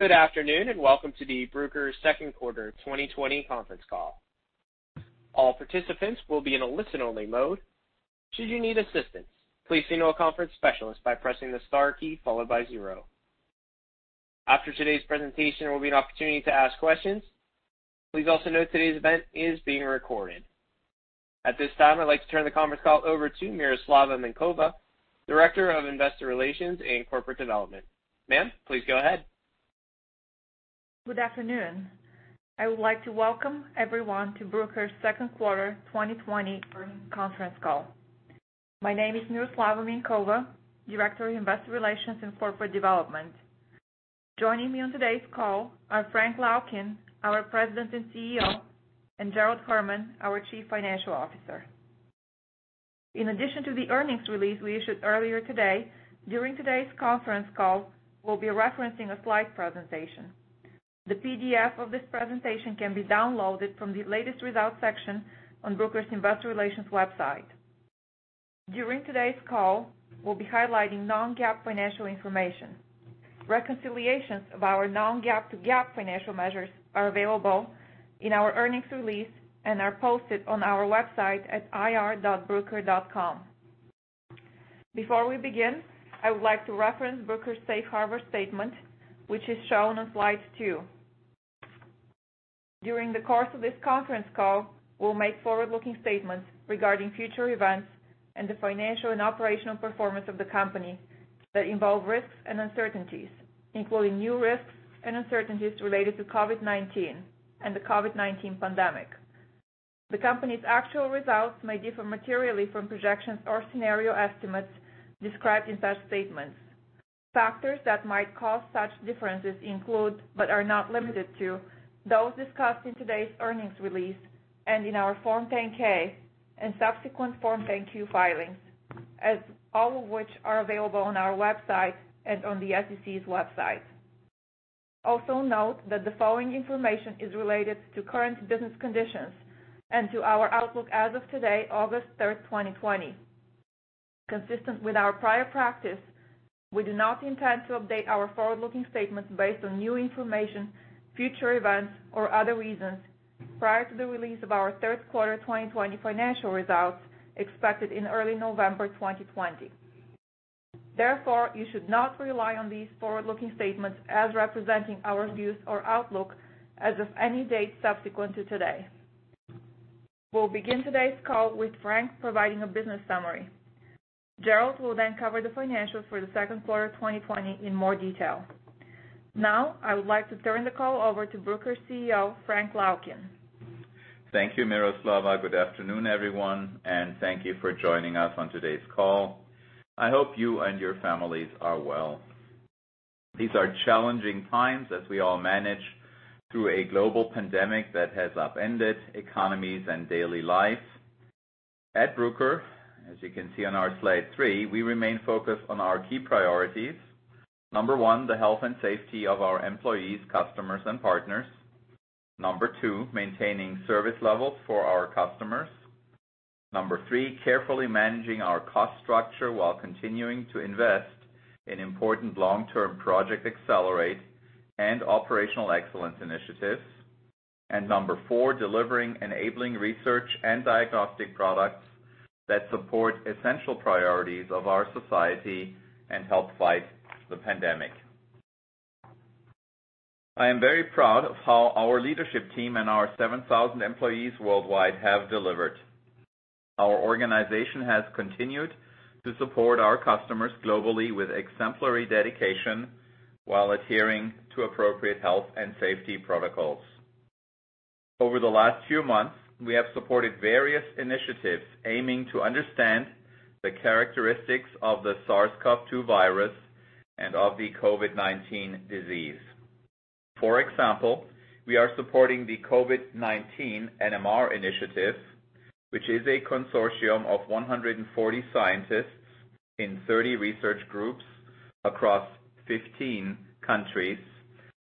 Good afternoon and welcome to the Bruker Q3 2020 conference call. All participants will be in a listen-only mode. Should you need assistance, please signal a conference specialist by pressing the star key followed by zero. After today's presentation, there will be an opportunity to ask questions. Please also note today's event is being recorded. At this time, I'd like to turn the conference call over to Miroslava Minkova, Director of Investor Relations and Corporate Development. Ma'am, please go ahead. Good afternoon. I would like to welcome everyone to Bruker Corporation’s Q3 2020 conference call. My name is Miroslava Minkova, Director of Investor Relations and Corporate Development. Joining me on today's call are Frank Laukien, our President and CEO, and Gerald Herman, our Chief Financial Officer. In addition to the earnings release we issued earlier today, during today's conference call, we'll be referencing a slide presentation. The PDF of this presentation can be downloaded from the latest results section on Bruker's Investor Relations website. During today's call, we'll be highlighting non-GAAP financial information. Reconciliations of our non-GAAP to GAAP financial measures are available in our earnings release and are posted on our website at ir.bruker.com. Before we begin, I would like to reference Bruker's Safe Harbor Statement, which is shown on slide two. During the course of this conference call, we'll make forward-looking statements regarding future events and the financial and operational performance of the company that involve risks and uncertainties, including new risks and uncertainties related to COVID-19 and the COVID-19 pandemic. The company's actual results may differ materially from projections or scenario estimates described in such statements. Factors that might cause such differences include, but are not limited to, those discussed in today's earnings release and in our Form 10-K and subsequent Form 10-Q filings, all of which are available on our website and on the SEC's website. Also, note that the following information is related to current business conditions and to our outlook as of today, August 3rd, 2020. Consistent with our prior practice, we do not intend to update our forward-looking statements based on new information, future events, or other reasons prior to the release of our Q3 2020 financial results expected in early November 2020. Therefore, you should not rely on these forward-looking statements as representing our views or outlook as of any date subsequent to today. We'll begin today's call with Frank providing a business summary. Gerald will then cover the financials for the Q2 2020 in more detail. Now, I would like to turn the call over to Bruker's CEO, Frank Laukien. Thank you, Miroslava. Good afternoon, everyone, and thank you for joining us on today's call. I hope you and your families are well. These are challenging times as we all manage through a global pandemic that has upended economies and daily lives. At Bruker, as you can see on our slide three, we remain focused on our key priorities. Number one, the health and safety of our employees, customers, and partners. Number two, maintaining service levels for our customers. Number three, carefully managing our cost structure while continuing to invest in important long-term Project Accelerate and Operational Excellence initiatives. And number four, delivering enabling research and diagnostic products that support essential priorities of our society and help fight the pandemic. I am very proud of how our leadership team and our 7,000 employees worldwide have delivered. Our organization has continued to support our customers globally with exemplary dedication while adhering to appropriate health and safety protocols. Over the last few months, we have supported various initiatives aiming to understand the characteristics of the SARS-CoV-2 virus and of the COVID-19 disease. For example, we are supporting the COVID-19 NMR initiative, which is a consortium of 140 scientists in 30 research groups across 15 countries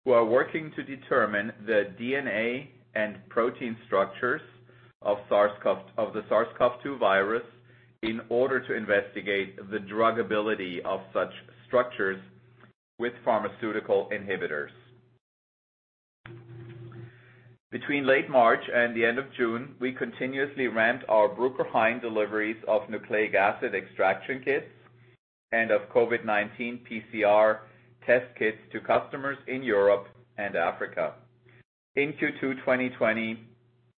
who are working to determine the DNA and protein structures of the SARS-CoV-2 virus in order to investigate the druggability of such structures with pharmaceutical inhibitors. Between late March and the end of June, we continuously ramped our Bruker Hain deliveries of nucleic acid extraction kits and of COVID-19 PCR test kits to customers in Europe and Africa. In Q2 2020,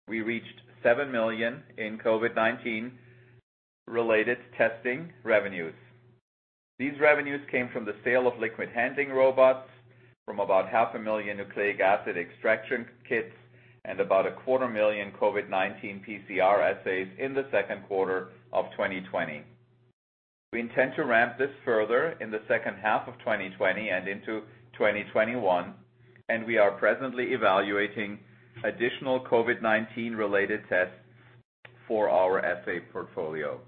we reached $7 million in COVID-19-related testing revenues. These revenues came from the sale of liquid handling robots, from about 500,000 nucleic acid extraction kits, and about 250,000 COVID-19 PCR assays in the Q2 of 2020. We intend to ramp this further in the second half of 2020 and into 2021, and we are presently evaluating additional COVID-19-related tests for our assay portfolio.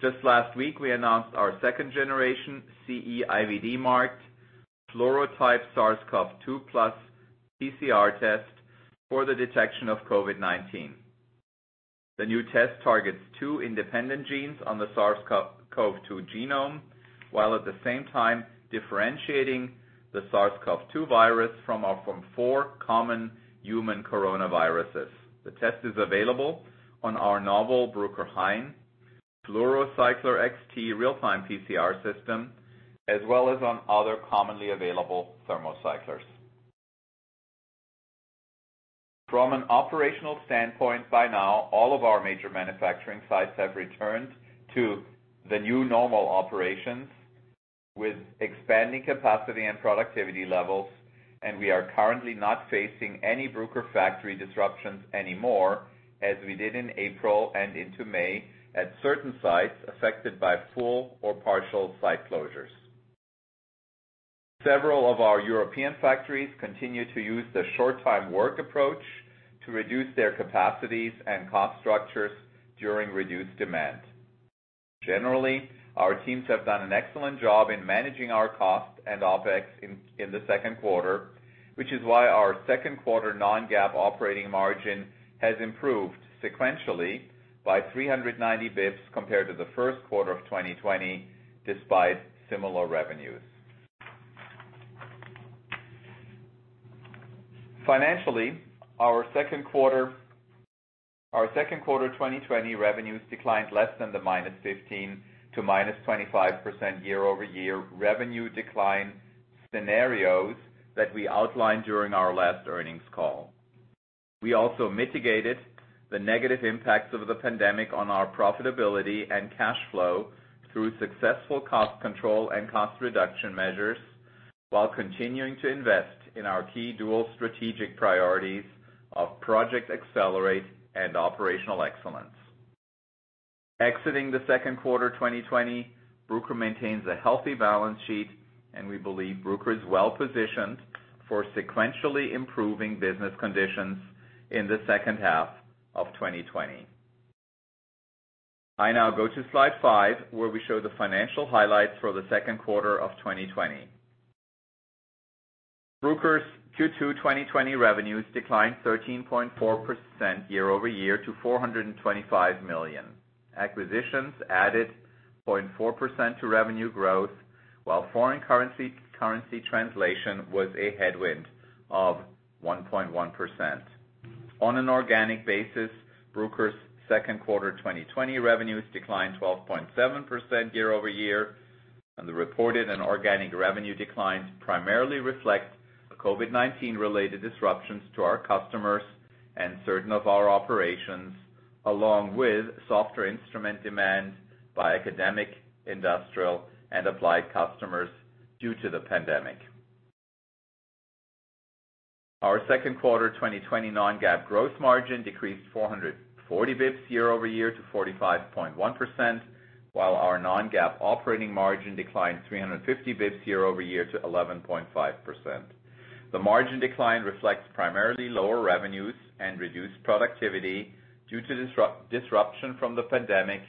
Just last week, we announced our second-generation CE-IVD-marked FluoroType SARS-CoV-2 plus PCR test for the detection of COVID-19. The new test targets two independent genes on the SARS-CoV-2 genome, while at the same time differentiating the SARS-CoV-2 virus from our four common human coronaviruses. The test is available on our novel Bruker Hain FluoroCycler XT real-time PCR system, as well as on other commonly available thermocyclers. From an operational standpoint, by now, all of our major manufacturing sites have returned to the new normal operations with expanding capacity and productivity levels, and we are currently not facing any Bruker factory disruptions anymore, as we did in April and into May at certain sites affected by full or partial site closures. Several of our European factories continue to use the short-time work approach to reduce their capacities and cost structures during reduced demand. Generally, our teams have done an excellent job in managing our cost and OpEx in the Q2, which is why our Q2 non-GAAP operating margin has improved sequentially by 390 basis points compared to the Q1 of 2020, despite similar revenues. Financially, our Q2 2020 revenues declined less than the minus 15% to minus 25% year-over-year revenue decline scenarios that we outlined during our last earnings call. We also mitigated the negative impacts of the pandemic on our profitability and cash flow through successful cost control and cost reduction measures, while continuing to invest in our key dual strategic priorities of Project Accelerate and Operational Excellence. Exiting the Q2 2020, Bruker maintains a healthy balance sheet, and we believe Bruker is well positioned for sequentially improving business conditions in the second half of 2020. I now go to slide five, where we show the financial highlights for the Q2 of 2020. Bruker's Q2 2020 revenues declined 13.4% year-over-year to $425 million. Acquisitions added 0.4% to revenue growth, while foreign currency translation was a headwind of 1.1%. On an organic basis, Bruker's Q2 2020 revenues declined 12.7% year-over-year, and the reported and organic revenue declines primarily reflect COVID-19-related disruptions to our customers and certain of our operations, along with softer instrument demand by academic, industrial, and applied customers due to the pandemic. Our Q2 2020 non-GAAP gross margin decreased 440 basis points year-over-year to 45.1%, while our non-GAAP operating margin declined 350 basis points year-over-year to 11.5%. The margin decline reflects primarily lower revenues and reduced productivity due to disruption from the pandemic,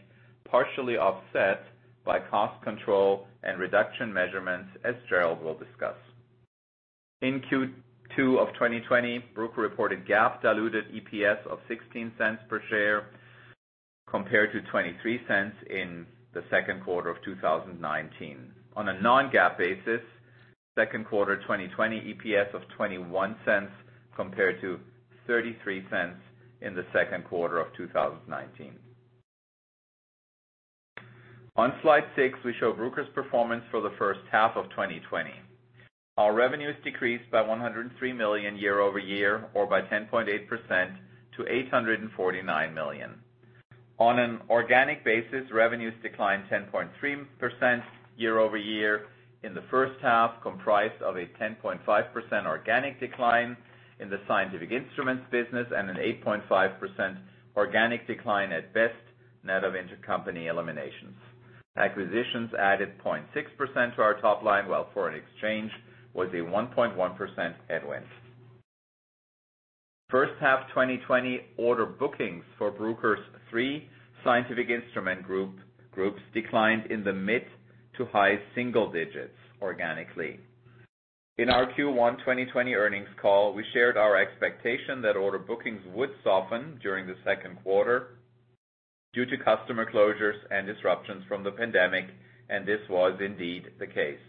partially offset by cost control and reduction measures, as Gerald will discuss. In Q2 of 2020, Bruker reported GAAP diluted EPS of $0.16 per share compared to $0.23 in the Q2 of 2019. On a non-GAAP basis, Q2 2020 EPS of $0.21 compared to $0.33 in the Q2 of 2019. On slide six, we show Bruker's performance for the first half of 2020. Our revenues decreased by $103 million year-over-year, or by 10.8%, to $849 million. On an organic basis, revenues declined 10.3% year-over-year in the first half, comprised of a 10.5% organic decline in the scientific instruments business and an 8.5% organic decline at BEST net of intercompany eliminations. Acquisitions added 0.6% to our top line, while foreign exchange was a 1.1% headwind. First half 2020 order bookings for Bruker's three scientific instrument groups declined in the mid to high single digits organically. In our Q1 2020 earnings call, we shared our expectation that order bookings would soften during the Q2 due to customer closures and disruptions from the pandemic, and this was indeed the case.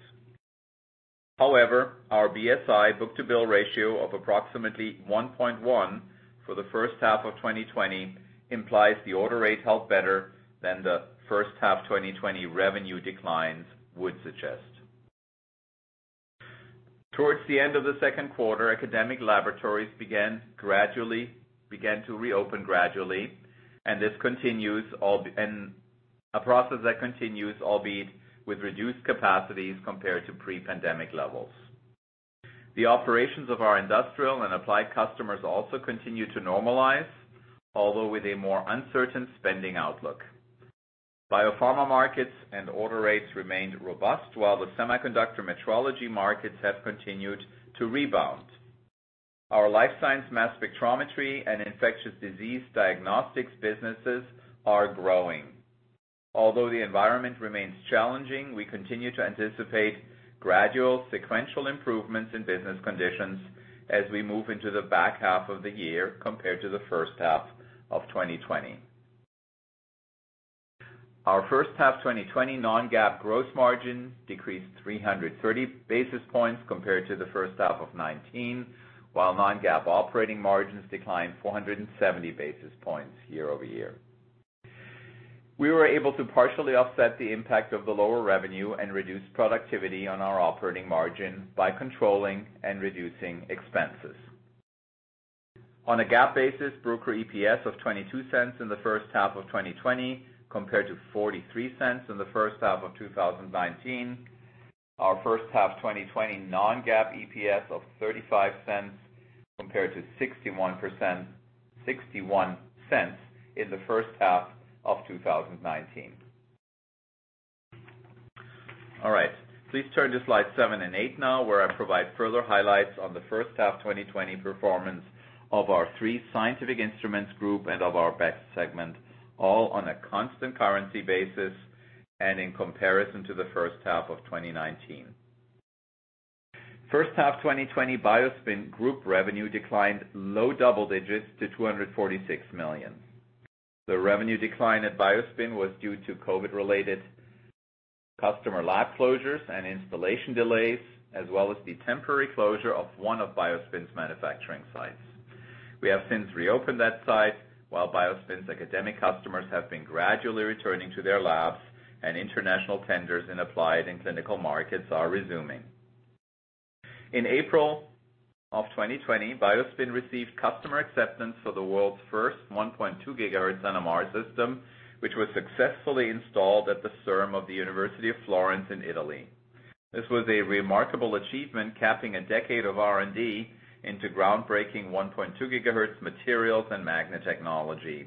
However, our BSI book-to-bill ratio of approximately 1.1 for the first half of 2020 implies the order rate held better than the first half 2020 revenue declines would suggest. Towards the end of the Q2, academic laboratories began to reopen gradually, and this continues a process that continues, albeit with reduced capacities compared to pre-pandemic levels. The operations of our industrial and applied customers also continue to normalize, although with a more uncertain spending outlook. Biopharma markets and order rates remained robust, while the semiconductor metrology markets have continued to rebound. Our life science mass spectrometry and infectious disease diagnostics businesses are growing. Although the environment remains challenging, we continue to anticipate gradual sequential improvements in business conditions as we move into the back half of the year compared to the first half of 2020. Our first half 2020 non-GAAP gross margin decreased 330 basis points compared to the first half of 2019, while non-GAAP operating margins declined 470 basis points year-over-year. We were able to partially offset the impact of the lower revenue and reduce productivity on our operating margin by controlling and reducing expenses. On a GAAP basis, Bruker EPS of $0.22 in the first half of 2020 compared to $0.43 in the first half of 2019. Our first half 2020 non-GAAP EPS of $0.35 compared to $0.61 in the first half of 2019. All right. Please turn to slide seven and eight now, where I provide further highlights on the first half 2020 performance of our three scientific instruments group and of our BEST segment, all on a constant currency basis and in comparison to the first half of 2019. First half 2020 BioSpin group revenue declined low double digits to $246 million. The revenue decline at BioSpin was due to COVID-related customer lab closures and installation delays, as well as the temporary closure of one of BioSpin's manufacturing sites. We have since reopened that site, while BioSpin's academic customers have been gradually returning to their labs, and international tenders in applied and clinical markets are resuming. In April of 2020, BioSpin received customer acceptance for the world's first 1.2 gigahertz NMR system, which was successfully installed at the CERM of the University of Florence in Italy. This was a remarkable achievement, capping a decade of R&D into groundbreaking 1.2 gigahertz materials and magnet technology.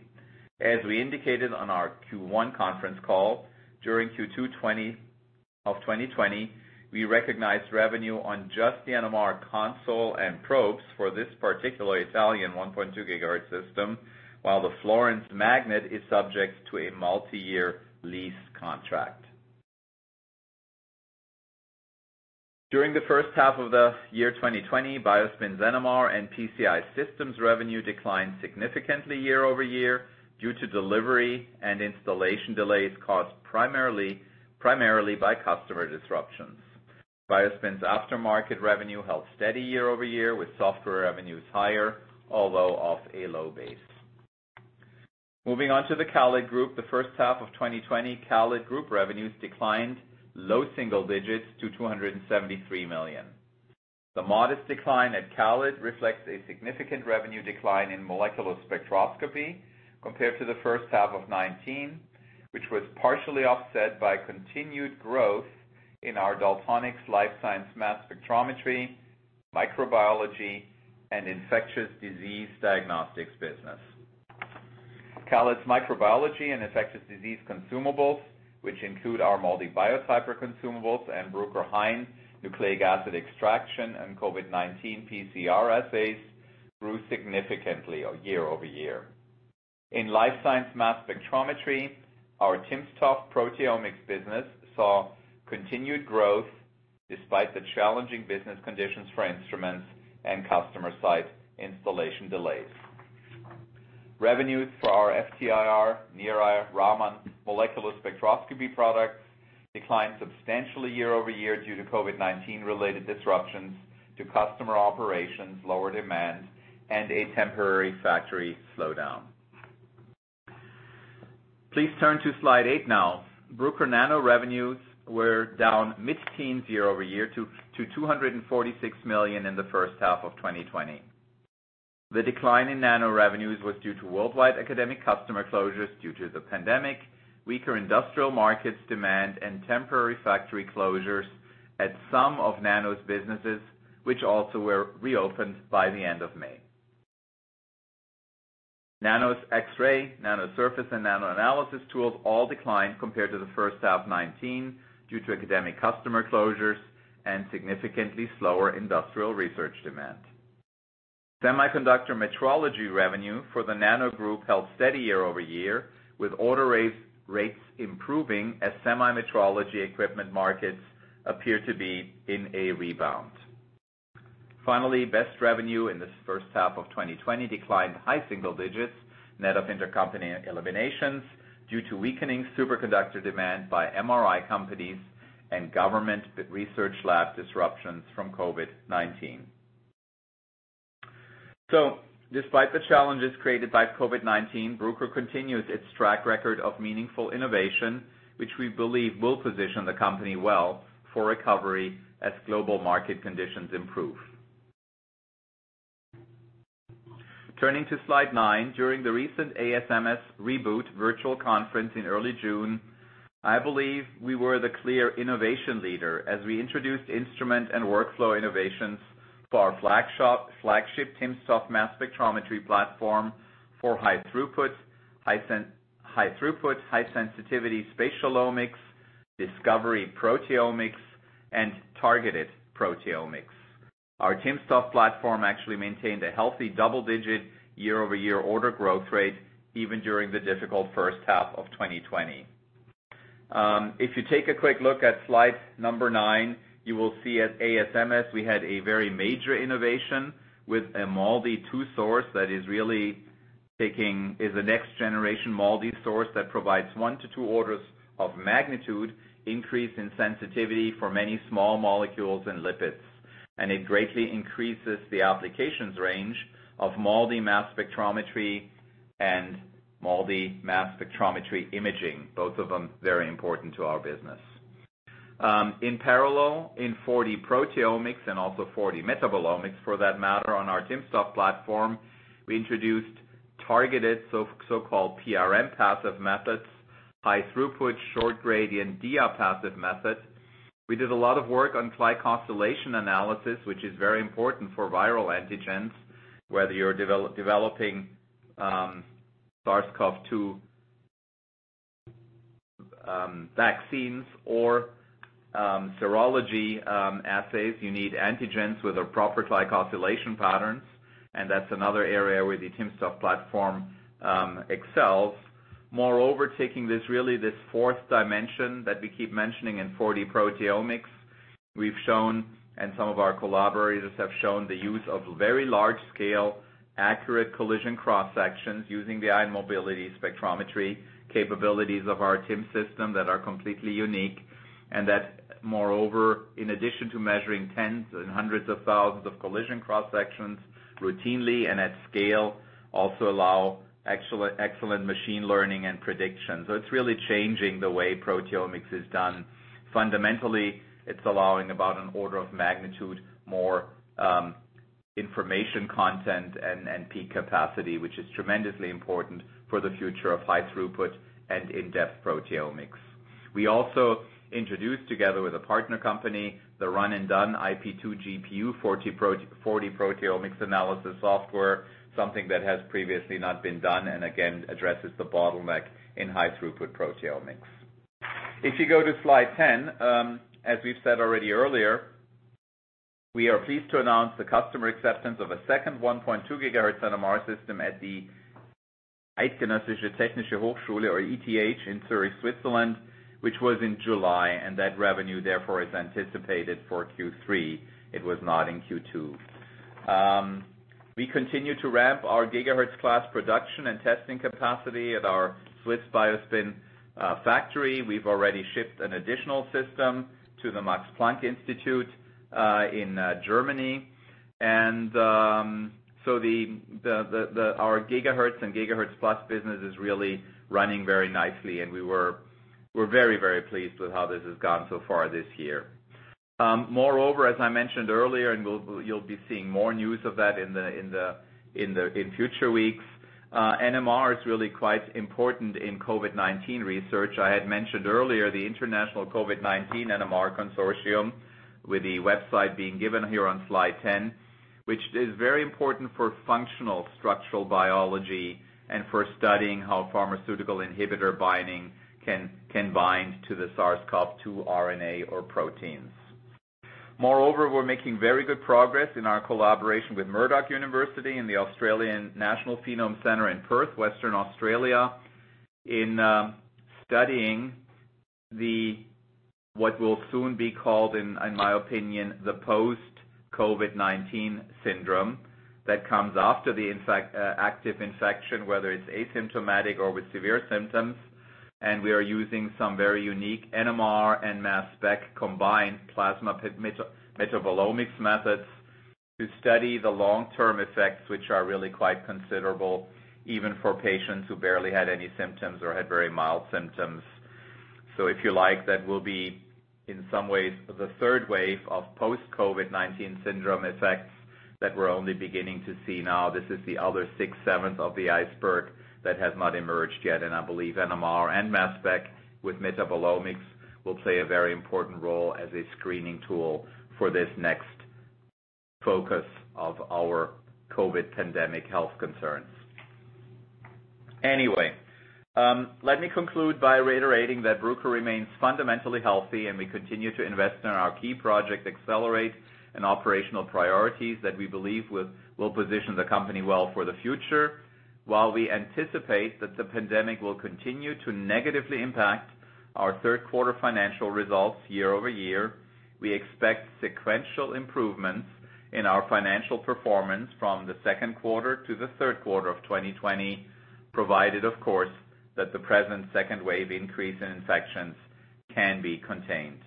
As we indicated on our Q1 conference call, during Q2 2020, we recognized revenue on just the NMR console and probes for this particular Italian 1.2 gigahertz system, while the Florence magnet is subject to a multi-year lease contract. During the first half of the year 2020, BioSpin's NMR and PCI systems revenue declined significantly year-over-year due to delivery and installation delays caused primarily by customer disruptions. BioSpin's aftermarket revenue held steady year-over-year, with software revenues higher, although off a low base. Moving on to the CALID Group, the first half of 2020, CALID Group revenues declined low single digits to $273 million. The modest decline at CALID reflects a significant revenue decline in molecular spectroscopy compared to the first half of 2019, which was partially offset by continued growth in our Daltonics life science mass spectrometry, microbiology, and infectious disease diagnostics business. CALID's microbiology and infectious disease consumables, which include our MALDI Biotyper consumables and Bruker Hain nucleic acid extraction and COVID-19 PCR assays, grew significantly year-over-year. In life science mass spectrometry, our timsTOF proteomics business saw continued growth despite the challenging business conditions for instruments and customer site installation delays. Revenues for our FTIR, NIR, Raman, molecular spectroscopy products declined substantially year-over-year due to COVID-19-related disruptions to customer operations, lower demand, and a temporary factory slowdown. Please turn to slide eight now. Bruker Nano revenues were down mid-teens year-over-year to $246 million in the first half of 2020. The decline in Nano revenues was due to worldwide academic customer closures due to the pandemic, weaker industrial markets demand, and temporary factory closures at some of Nano's businesses, which also were reopened by the end of May. Nano's X-ray, NanoSurface, and NanoAnalysis tools all declined compared to the first half 2019 due to academic customer closures and significantly slower industrial research demand. Semiconductor metrology revenue for the Nano Group held steady year-over-year, with order rates improving as semi metrology equipment markets appear to be in a rebound. Finally, BEST revenue in this first half of 2020 declined high single digits net of intercompany eliminations due to weakening superconductor demand by MRI companies and government research lab disruptions from COVID-19, so despite the challenges created by COVID-19, Bruker continues its track record of meaningful innovation, which we believe will position the company well for recovery as global market conditions improve. Turning to slide 9, during the recent ASMS reboot virtual conference in early June, I believe we were the clear innovation leader as we introduced instrument and workflow innovations for our flagship timsTOF mass spectrometry platform for high throughput, high sensitivity spatial omics, discovery proteomics, and targeted proteomics. Our timsTOF platform actually maintained a healthy double-digit year-over-year order growth rate even during the difficult first half of 2020. If you take a quick look at slide number 9, you will see at ASMS we had a very major innovation with a MALDI-2 source that is really a next-generation MALDI source that provides one to two orders of magnitude increase in sensitivity for many small molecules and lipids. And it greatly increases the applications range of MALDI mass spectrometry and MALDI mass spectrometry imaging, both of them very important to our business. In parallel, in 4D-proteomics and also 4D metabolomics for that matter on our timsTOF platform, we introduced targeted so-called PRM-PASEF methods, high throughput, short gradient diaPASEF methods. We did a lot of work on glycosylation analysis, which is very important for viral antigens. Whether you're developing SARS-CoV-2 vaccines or serology assays, you need antigens with proper glycosylation patterns, and that's another area where the timsTOF platform excels. Moreover, taking this really this fourth dimension that we keep mentioning in 4D-proteomics, we've shown and some of our collaborators have shown the use of very large-scale accurate collision cross-sections using the ion mobility spectrometry capabilities of our timsTOF system that are completely unique, and that moreover, in addition to measuring tens and hundreds of thousands of collision cross-sections routinely and at scale, also allow excellent machine learning and prediction. So it's really changing the way proteomics is done. Fundamentally, it's allowing about an order of magnitude more information content and peak capacity, which is tremendously important for the future of high throughput and in-depth proteomics. We also introduced together with a partner company the run-and-done IP2 GPU 4D-proteomics analysis software, something that has previously not been done and again addresses the bottleneck in high throughput proteomics. If you go to slide ten, as we've said already earlier, we are pleased to announce the customer acceptance of a second 1.2 gigahertz NMR system at the Eidgenössische Technische Hochschule or ETH in Zürich, Switzerland, which was in July, and that revenue therefore is anticipated for Q3. It was not in Q2. We continue to ramp our gigahertz class production and testing capacity at our Swiss BioSpin factory. We've already shipped an additional system to the Max Planck Institute in Germany. And so our gigahertz and Gigahertz Plus business is really running very nicely. And we were very, very pleased with how this has gone so far this year. Moreover, as I mentioned earlier, and you'll be seeing more news of that in the future weeks, NMR is really quite important in COVID-19 research. I had mentioned earlier the International COVID-19 NMR Consortium with the website being given here on slide 10, which is very important for functional structural biology and for studying how pharmaceutical inhibitor binding can bind to the SARS-CoV-2 RNA or proteins. Moreover, we're making very good progress in our collaboration with Murdoch University and the Australian National Phenome Center in Perth, Western Australia, in studying what will soon be called, in my opinion, the post-COVID-19 syndrome that comes after the active infection, whether it's asymptomatic or with severe symptoms. We are using some very unique NMR and mass spec combined plasma metabolomics methods to study the long-term effects, which are really quite considerable even for patients who barely had any symptoms or had very mild symptoms. So if you like, that will be in some ways the third wave of Post-COVID-19 Syndrome effects that we're only beginning to see now. This is the other six-sevenths of the iceberg that has not emerged yet. And I believe NMR and mass spec with metabolomics will play a very important role as a screening tool for this next focus of our COVID pandemic health concerns. Anyway, let me conclude by reiterating that Bruker remains fundamentally healthy and we continue to invest in our key Project Accelerate and operational priorities that we believe will position the company well for the future. While we anticipate that the pandemic will continue to negatively impact our Q3 financial results year-over-year, we expect sequential improvements in our financial performance from the Q2 to the Q3 of 2020, provided, of course, that the present second wave increase in infections can be contained.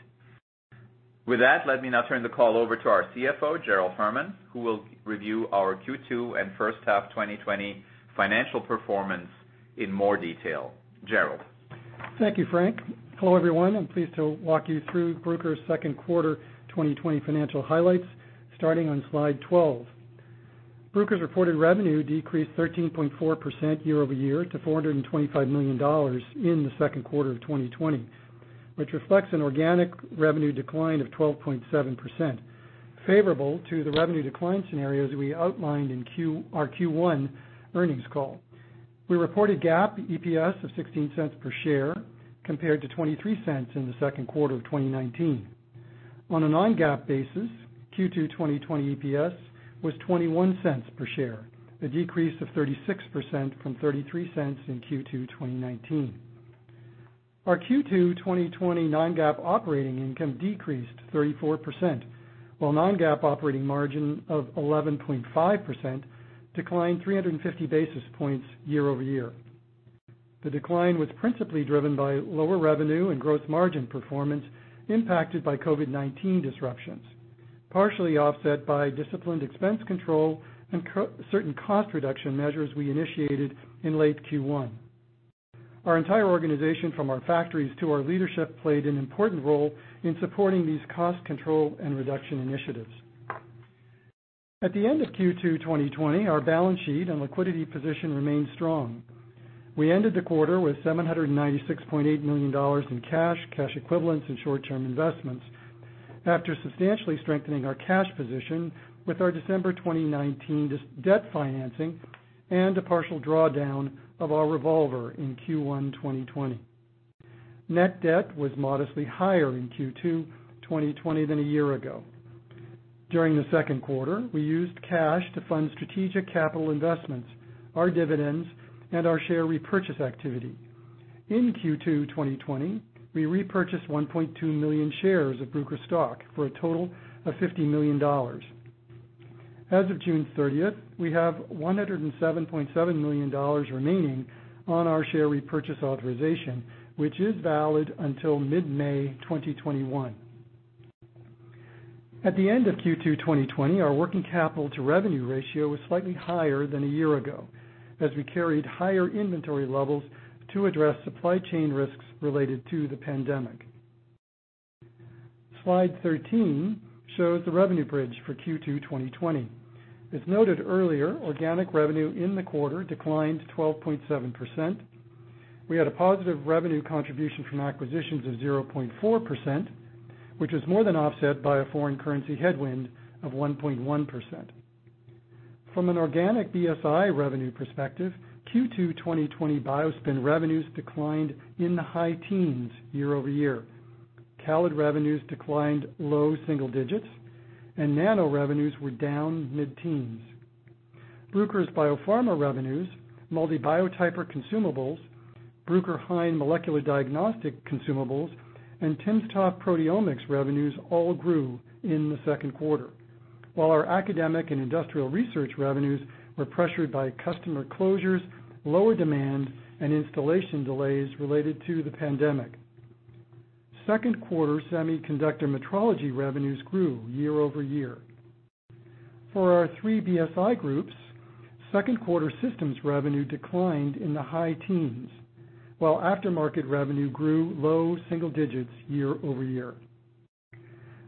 With that, let me now turn the call over to our CFO, Gerald Herman, who will review our Q2 and first half 2020 financial performance in more detail. Gerald. Thank you, Frank. Hello everyone. I'm pleased to walk you through Bruker's Q2 2020 financial highlights starting on slide 12. Bruker's reported revenue decreased 13.4% year-over-year to $425 million in the Q2 of 2020, which reflects an organic revenue decline of 12.7%, favorable to the revenue decline scenarios we outlined in our Q1 earnings call. We reported GAAP EPS of $0.16 per share compared to $0.23 in the Q2 of 2019. On a non-GAAP basis, Q2 2020 EPS was $0.21 per share, a decrease of 36% from $0.33 in Q2 2019. Our Q2 2020 non-GAAP operating income decreased 34%, while non-GAAP operating margin of 11.5% declined 350 basis points year-over-year. The decline was principally driven by lower revenue and gross margin performance impacted by COVID-19 disruptions, partially offset by disciplined expense control and certain cost reduction measures we initiated in late Q1. Our entire organization, from our factories to our leadership, played an important role in supporting these cost control and reduction initiatives. At the end of Q2 2020, our balance sheet and liquidity position remained strong. We ended the quarter with $796.8 million in cash, cash equivalents, and short-term investments after substantially strengthening our cash position with our December 2019 debt financing and a partial drawdown of our revolver in Q1 2020. Net debt was modestly higher in Q2 2020 than a year ago. During the Q2, we used cash to fund strategic capital investments, our dividends, and our share repurchase activity. In Q2 2020, we repurchased 1.2 million shares of Bruker stock for a total of $50 million. As of June 30th, we have $107.7 million remaining on our share repurchase authorization, which is valid until mid-May 2021. At the end of Q2 2020, our working capital to revenue ratio was slightly higher than a year ago as we carried higher inventory levels to address supply chain risks related to the pandemic. Slide 13 shows the revenue bridge for Q2 2020. As noted earlier, organic revenue in the quarter declined 12.7%. We had a positive revenue contribution from acquisitions of 0.4%, which was more than offset by a foreign currency headwind of 1.1%. From an organic BSI revenue perspective, Q2 2020 BioSpin revenues declined in the high teens year-over-year. CALID revenues declined low single digits, and Nano revenues were down mid-teens. Bruker's biopharma revenues, MALDI Biotyper or consumables, Bruker Hain molecular diagnostic consumables, and timsTOF proteomics revenues all grew in the Q2, while our academic and industrial research revenues were pressured by customer closures, lower demand, and installation delays related to the pandemic. Q2 semiconductor metrology revenues grew year-over-year. For our three BSI groups, Q2 systems revenue declined in the high teens, while aftermarket revenue grew low single digits year-over-year.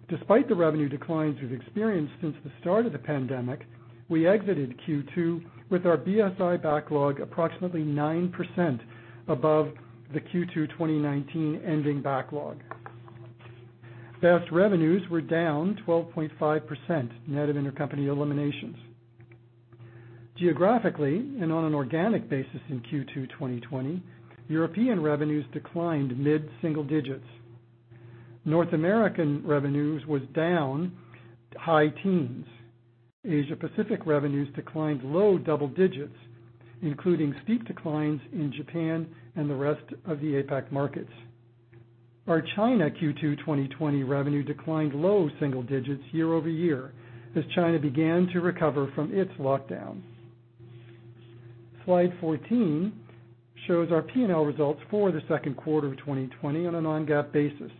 Despite the revenue declines we've experienced since the start of the pandemic, we exited Q2 with our BSI backlog approximately 9% above the Q2 2019 ending backlog. BSI revenues were down 12.5% net of intercompany eliminations. Geographically and on an organic basis in Q2 2020, European revenues declined mid-single digits. North American revenues was down high teens. Asia-Pacific revenues declined low double digits, including steep declines in Japan and the rest of the APAC markets. Our China Q2 2020 revenue declined low single digits year-over-year as China began to recover from its lockdown. Slide 14 shows our P&L results for the Q2 of 2020 on a non-GAAP basis.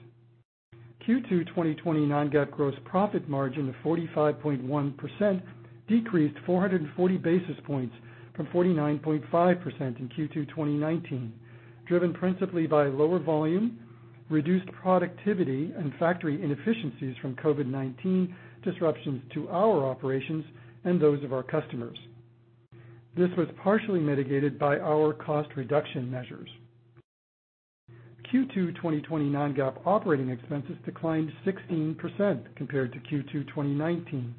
Q2 2020 non-GAAP gross profit margin of 45.1% decreased 440 basis points from 49.5% in Q2 2019, driven principally by lower volume, reduced productivity, and factory inefficiencies from COVID-19 disruptions to our operations and those of our customers. This was partially mitigated by our cost reduction measures. Q2 2020 non-GAAP operating expenses declined 16% compared to Q2 2019.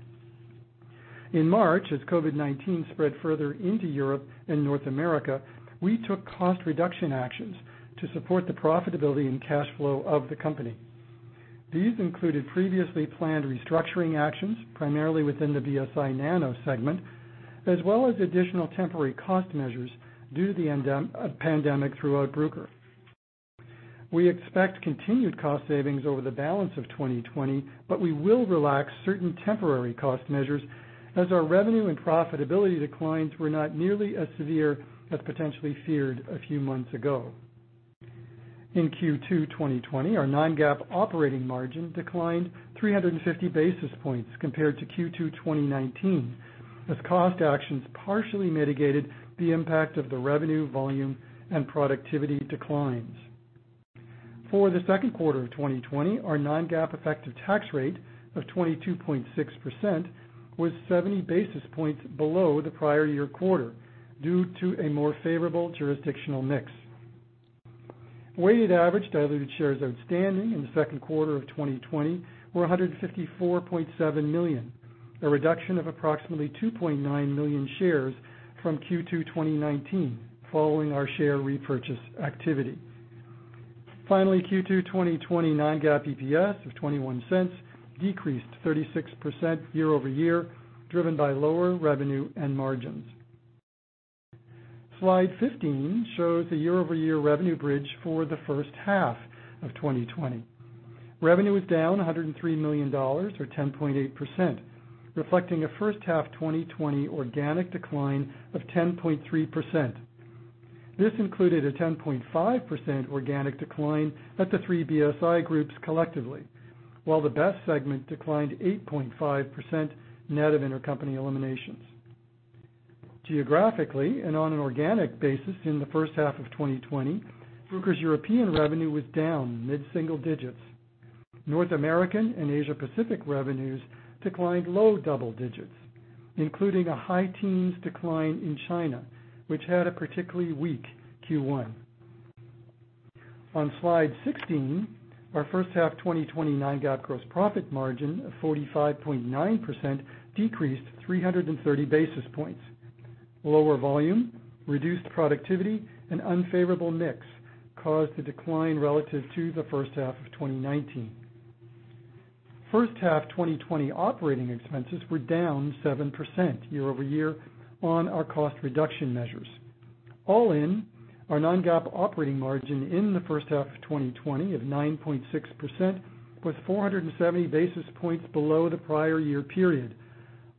In March, as COVID-19 spread further into Europe and North America, we took cost reduction actions to support the profitability and cash flow of the company. These included previously planned restructuring actions primarily within the BSI Nano segment, as well as additional temporary cost measures due to the pandemic throughout Bruker. We expect continued cost savings over the balance of 2020, but we will relax certain temporary cost measures as our revenue and profitability declines were not nearly as severe as potentially feared a few months ago. In Q2 2020, our non-GAAP operating margin declined 350 basis points compared to Q2 2019, as cost actions partially mitigated the impact of the revenue volume and productivity declines. For the Q2 of 2020, our non-GAAP effective tax rate of 22.6% was 70 basis points below the prior year quarter due to a more favorable jurisdictional mix. Weighted average diluted shares outstanding in the Q2 of 2020 were 154.7 million, a reduction of approximately 2.9 million shares from Q2 2019 following our share repurchase activity. Finally, Q2 2020 non-GAAP EPS of $0.21 decreased 36% year-over-year, driven by lower revenue and margins. Slide 15 shows the year-over-year revenue bridge for the first half of 2020. Revenue was down $103 million or 10.8%, reflecting a first half 2020 organic decline of 10.3%. This included a 10.5% organic decline at the three BSI groups collectively, while the BEST segment declined 8.5% net of intercompany eliminations. Geographically and on an organic basis in the first half of 2020, Bruker's European revenue was down mid-single digits. North American and Asia-Pacific revenues declined low double digits, including a high teens decline in China, which had a particularly weak Q1. On slide 16, our first half 2020 non-GAAP gross profit margin of 45.9% decreased 330 basis points. Lower volume, reduced productivity, and unfavorable mix caused the decline relative to the first half of 2019. First half 2020 operating expenses were down 7% year-over-year on our cost reduction measures. All in, our non-GAAP operating margin in the first half of 2020 of 9.6% was 470 basis points below the prior year period,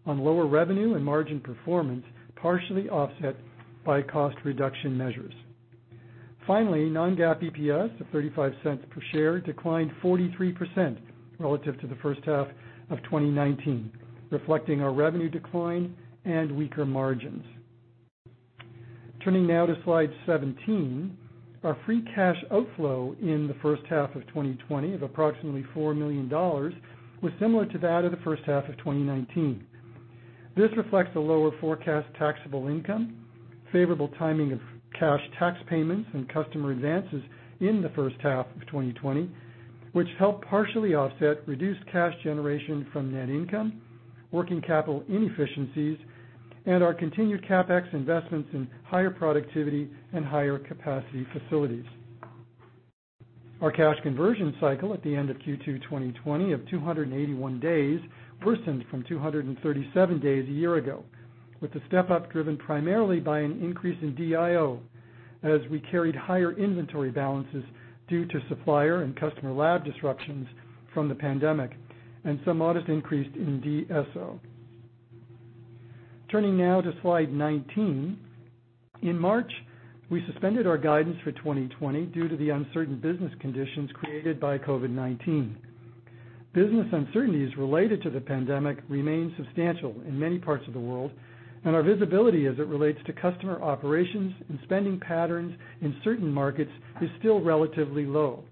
on lower revenue and margin performance partially offset by cost reduction measures. Finally, non-GAAP EPS of $0.35 per share declined 43% relative to the first half of 2019, reflecting our revenue decline and weaker margins. Turning now to slide 17, our free cash outflow in the first half of 2020 of approximately $4 million was similar to that of the first half of 2019. This reflects a lower forecast taxable income, favorable timing of cash tax payments and customer advances in the first half of 2020, which helped partially offset reduced cash generation from net income, working capital inefficiencies, and our continued CapEx investments in higher productivity and higher capacity facilities. Our cash conversion cycle at the end of Q2 2020 of 281 days worsened from 237 days a year ago, with the step-up driven primarily by an increase in DIO as we carried higher inventory balances due to supplier and customer lab disruptions from the pandemic and some modest increase in DSO. Turning now to slide 19, in March, we suspended our guidance for 2020 due to the uncertain business conditions created by COVID-19. Business uncertainties related to the pandemic remain substantial in many parts of the world, and our visibility as it relates to customer operations and spending patterns in certain markets is still relatively low.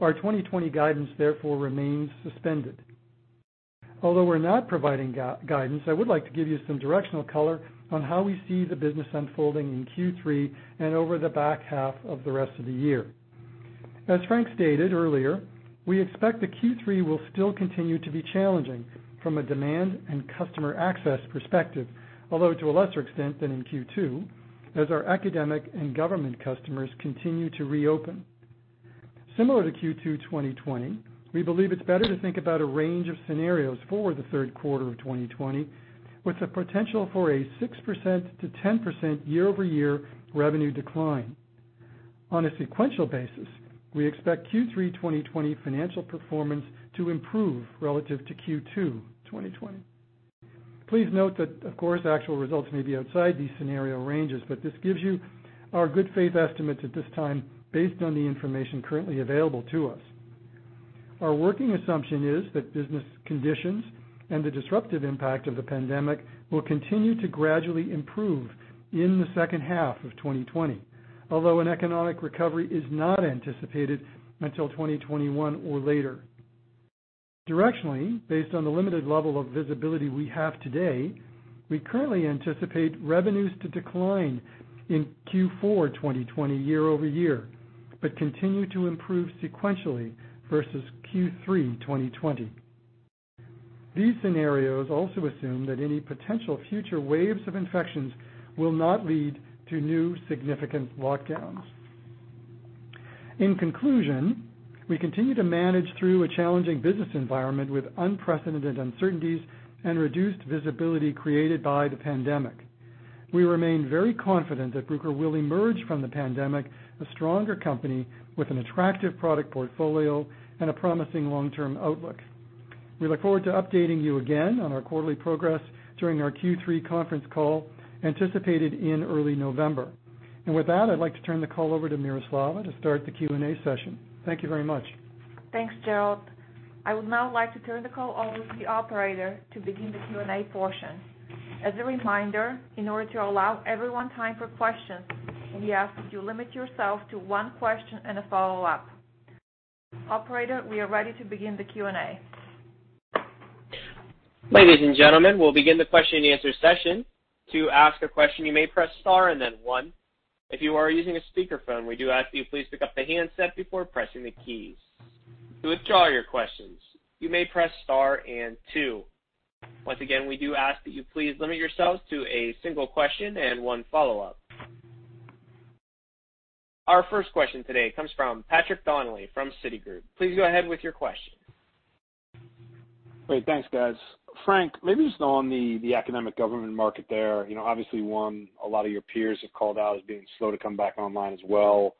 Our 2020 guidance, therefore, remains suspended. Although we're not providing guidance, I would like to give you some directional color on how we see the business unfolding in Q3 and over the back half of the rest of the year. As Frank stated earlier, we expect the Q3 will still continue to be challenging from a demand and customer access perspective, although to a lesser extent than in Q2, as our academic and government customers continue to reopen. Similar to Q2 2020, we believe it's better to think about a range of scenarios for the Q3 of 2020, with the potential for a 6% to 10% year-over-year revenue decline. On a sequential basis, we expect Q3 2020 financial performance to improve relative to Q2 2020. Please note that, of course, actual results may be outside these scenario ranges, but this gives you our good faith estimates at this time based on the information currently available to us. Our working assumption is that business conditions and the disruptive impact of the pandemic will continue to gradually improve in the second half of 2020, although an economic recovery is not anticipated until 2021 or later. Directionally, based on the limited level of visibility we have today, we currently anticipate revenues to decline in Q4 2020 year-over-year, but continue to improve sequentially versus Q3 2020. These scenarios also assume that any potential future waves of infections will not lead to new significant lockdowns. In conclusion, we continue to manage through a challenging business environment with unprecedented uncertainties and reduced visibility created by the pandemic. We remain very confident that Bruker will emerge from the pandemic a stronger company with an attractive product portfolio and a promising long-term outlook. We look forward to updating you again on our quarterly progress during our Q3 conference call anticipated in early November. And with that, I'd like to turn the call over to Miroslava to start the Q&A session. Thank you very much. Thanks, Gerald. I would now like to turn the call over to the operator to begin the Q&A portion. As a reminder, in order to allow everyone time for questions, we ask that you limit yourself to one question and a follow-up. Operator, we are ready to begin the Q&A. Ladies and gentlemen, we'll begin the question and answer session. To ask a question, you may press star and then one. If you are using a speakerphone, we do ask that you please pick up the handset before pressing the keys. To withdraw your questions, you may press star and two. Once again, we do ask that you please limit yourselves to a single question and one follow-up. Our first question today comes from Patrick Donnelly from Citigroup. Please go ahead with your question. Great. Thanks, guys. Frank, maybe just on the academic government market there, obviously one a lot of your peers have called out as being slow to come back online as well.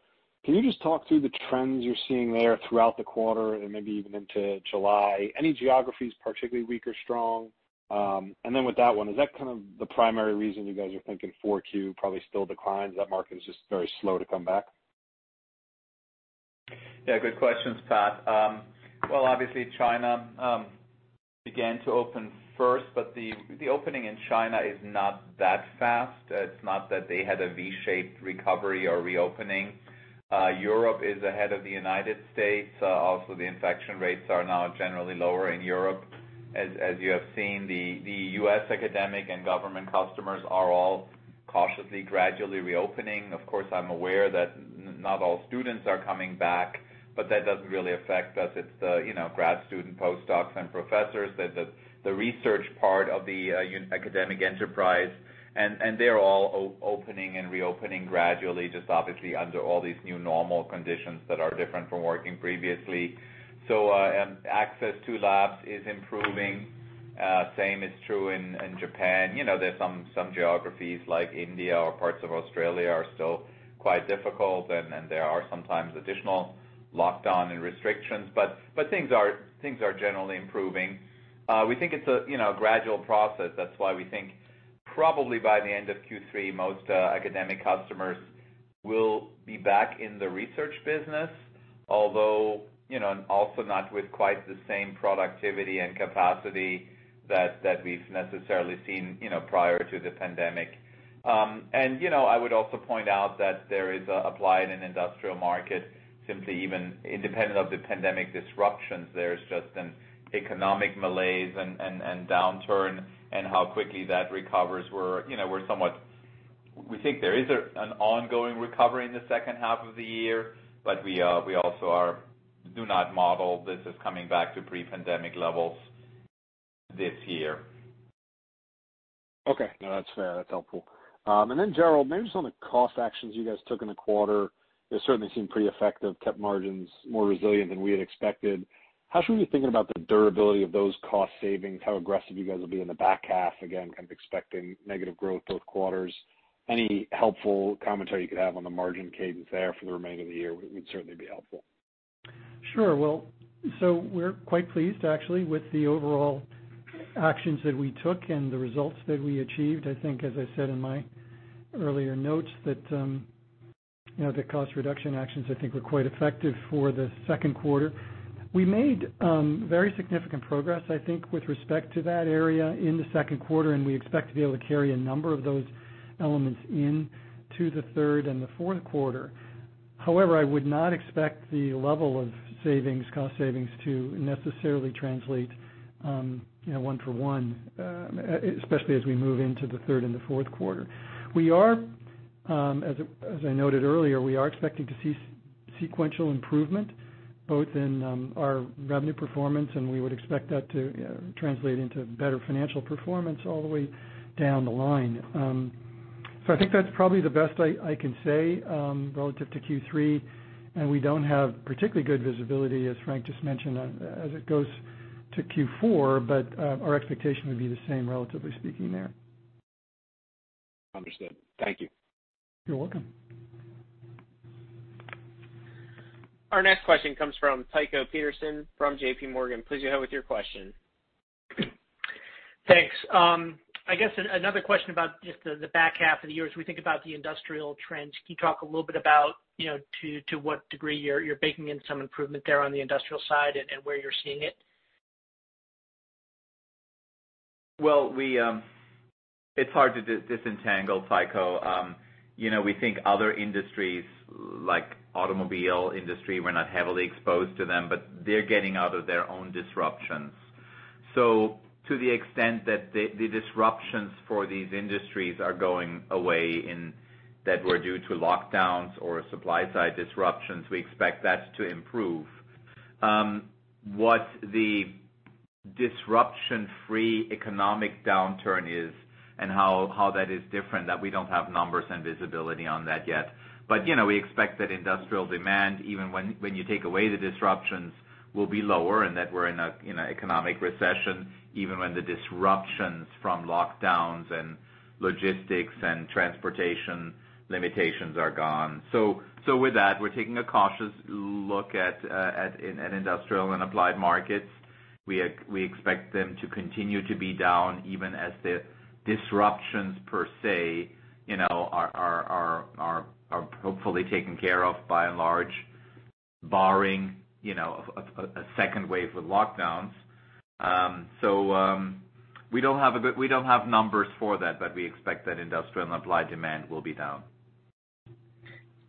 Can you just talk through the trends you're seeing there throughout the quarter and maybe even into July? Any geographies particularly weak or strong? And then with that one, is that kind of the primary reason you guys are thinking 4Q probably still declines? That market is just very slow to come back? Yeah, good questions, Pat. Well, obviously, China began to open first, but the opening in China is not that fast. It's not that they had a V-shaped recovery or reopening. Europe is ahead of the United States. Also, the infection rates are now generally lower in Europe, as you have seen. The U.S. academic and government customers are all cautiously, gradually reopening. Of course, I'm aware that not all students are coming back, but that doesn't really affect us. It's the grad students, postdocs, and professors, the research part of the academic enterprise. And they're all opening and reopening gradually, just obviously under all these new normal conditions that are different from working previously. So access to labs is improving. Same is true in Japan. There's some geographies like India or parts of Australia that are still quite difficult, and there are sometimes additional lockdowns and restrictions, but things are generally improving. We think it's a gradual process. That's why we think probably by the end of Q3, most academic customers will be back in the research business, although also not with quite the same productivity and capacity that we've necessarily seen prior to the pandemic, and I would also point out that there is an applied and industrial market, simply even independent of the pandemic disruptions. There's just an economic malaise and downturn, and how quickly that recovers, we're somewhat we think there is an ongoing recovery in the second half of the year, but we also do not model this as coming back to pre-pandemic levels this year. Okay. No, that's fair. That's helpful. And then, Gerald, maybe just on the cost actions you guys took in the quarter, it certainly seemed pretty effective, kept margins more resilient than we had expected. How should we be thinking about the durability of those cost savings, how aggressive you guys will be in the back half, again, kind of expecting negative growth both quarters? Any helpful commentary you could have on the margin cadence there for the remainder of the year would certainly be helpful. Sure. Well, so we're quite pleased, actually, with the overall actions that we took and the results that we achieved. I think, as I said in my earlier notes, that the cost reduction actions I think were quite effective for the Q2. We made very significant progress, I think, with respect to that area in the Q2, and we expect to be able to carry a number of those elements into the third and the Q4. However, I would not expect the level of cost savings to necessarily translate one for one, especially as we move into the third and the Q4. As I noted earlier, we are expecting to see sequential improvement both in our revenue performance, and we would expect that to translate into better financial performance all the way down the line. So, I think that's probably the best I can say relative to Q3, and we don't have particularly good visibility, as Frank just mentioned, as it goes to Q4, but our expectation would be the same, relatively speaking, there. Understood. Thank you. You're welcome. Our next question comes from Tycho Peterson from JPMorgan. Please go ahead with your question. Thanks. I guess another question about just the back half of the year, as we think about the industrial trends. Can you talk a little bit about to what degree you're baking in some improvement there on the industrial side and where you're seeing it? It's hard to disentangle, Tycho. We think other industries, like the automobile industry, we're not heavily exposed to them, but they're getting out of their own disruptions. To the extent that the disruptions for these industries are going away that were due to lockdowns or supply-side disruptions, we expect that to improve. What the disruption-free economic downturn is and how that is different, that we don't have numbers and visibility on that yet. But we expect that industrial demand, even when you take away the disruptions, will be lower and that we're in an economic recession, even when the disruptions from lockdowns and logistics and transportation limitations are gone. With that, we're taking a cautious look at industrial and applied markets. We expect them to continue to be down, even as the disruptions, per se, are hopefully taken care of by and large, barring a second wave of lockdowns. So we don't have numbers for that, but we expect that industrial and applied demand will be down.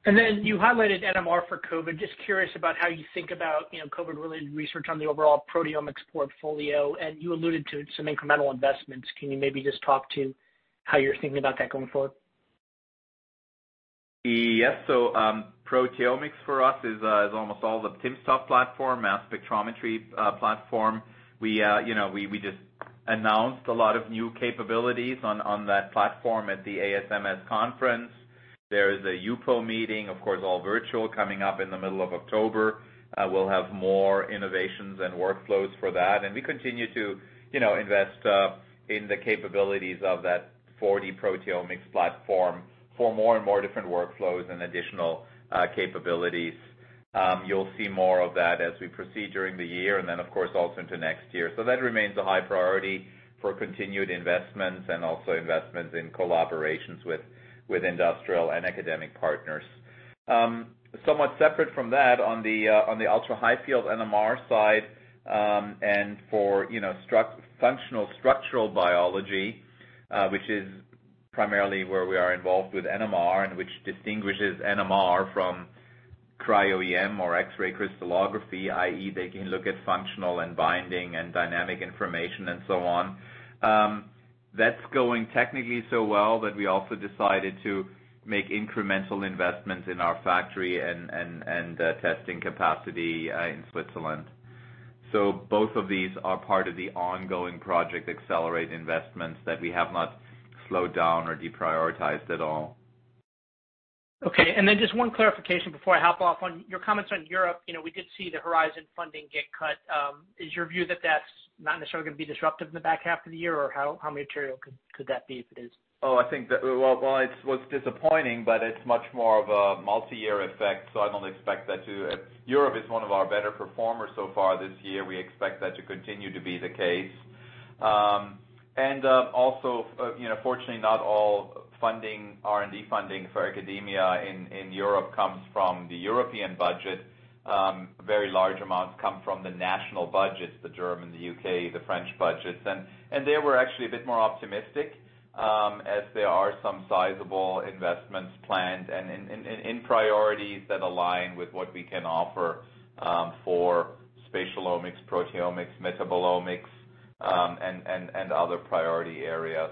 And then you highlighted NMR for COVID. Just curious about how you think about COVID-related research on the overall proteomics portfolio, and you alluded to some incremental investments. Can you maybe just talk to how you're thinking about that going forward? Yes. So proteomics for us is almost all the timsTOF platform, mass spectrometry platform. We just announced a lot of new capabilities on that platform at the ASMS conference. There is a HUPO meeting, of course, all virtual, coming up in the middle of October. We'll have more innovations and workflows for that. And we continue to invest in the capabilities of that 4D proteomics platform for more and more different workflows and additional capabilities. You'll see more of that as we proceed during the year and then, of course, also into next year. So that remains a high priority for continued investments and also investments in collaborations with industrial and academic partners. Somewhat separate from that, on the ultra-high-field NMR side and for functional structural biology, which is primarily where we are involved with NMR and which distinguishes NMR from cryo-EM or X-ray crystallography, i.e., they can look at functional and binding and dynamic information and so on. That's going technically so well that we also decided to make incremental investments in our factory and testing capacity in Switzerland. So both of these are part of the ongoing project accelerate investments that we have not slowed down or deprioritized at all. Okay. And then just one clarification before I hop off on your comments on Europe. We did see the Horizon funding get cut. Is your view that that's not necessarily going to be disruptive in the back half of the year, or how material could that be if it is? Oh, I think that, well, it was disappointing, but it's much more of a multi-year effect, so I don't expect that. Europe is one of our better performers so far this year. We expect that to continue to be the case. And also, fortunately, not all funding, R&D funding for academia in Europe comes from the European budget. Very large amounts come from the national budgets: the German, the U.K., the French budgets. And there we're actually a bit more optimistic, as there are some sizable investments planned and in priorities that align with what we can offer for spatial omics, proteomics, metabolomics, and other priority areas.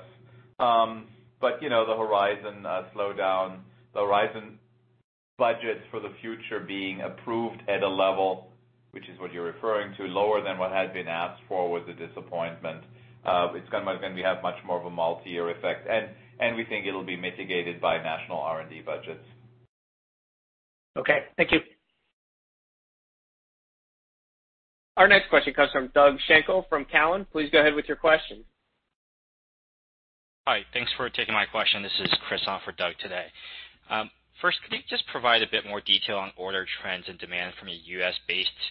But the Horizon slowdown, the Horizon budgets for the future being approved at a level, which is what you're referring to, lower than what had been asked for was a disappointment. It's going to have much more of a multi-year effect, and we think it'll be mitigated by national R&D budgets. Okay. Thank you. Our next question comes from Doug Schenkel from Cowen. Please go ahead with your question. Hi. Thanks for taking my question. This is Chris on for Doug today. First, could you just provide a bit more detail on order trends and demand from your U.S.-based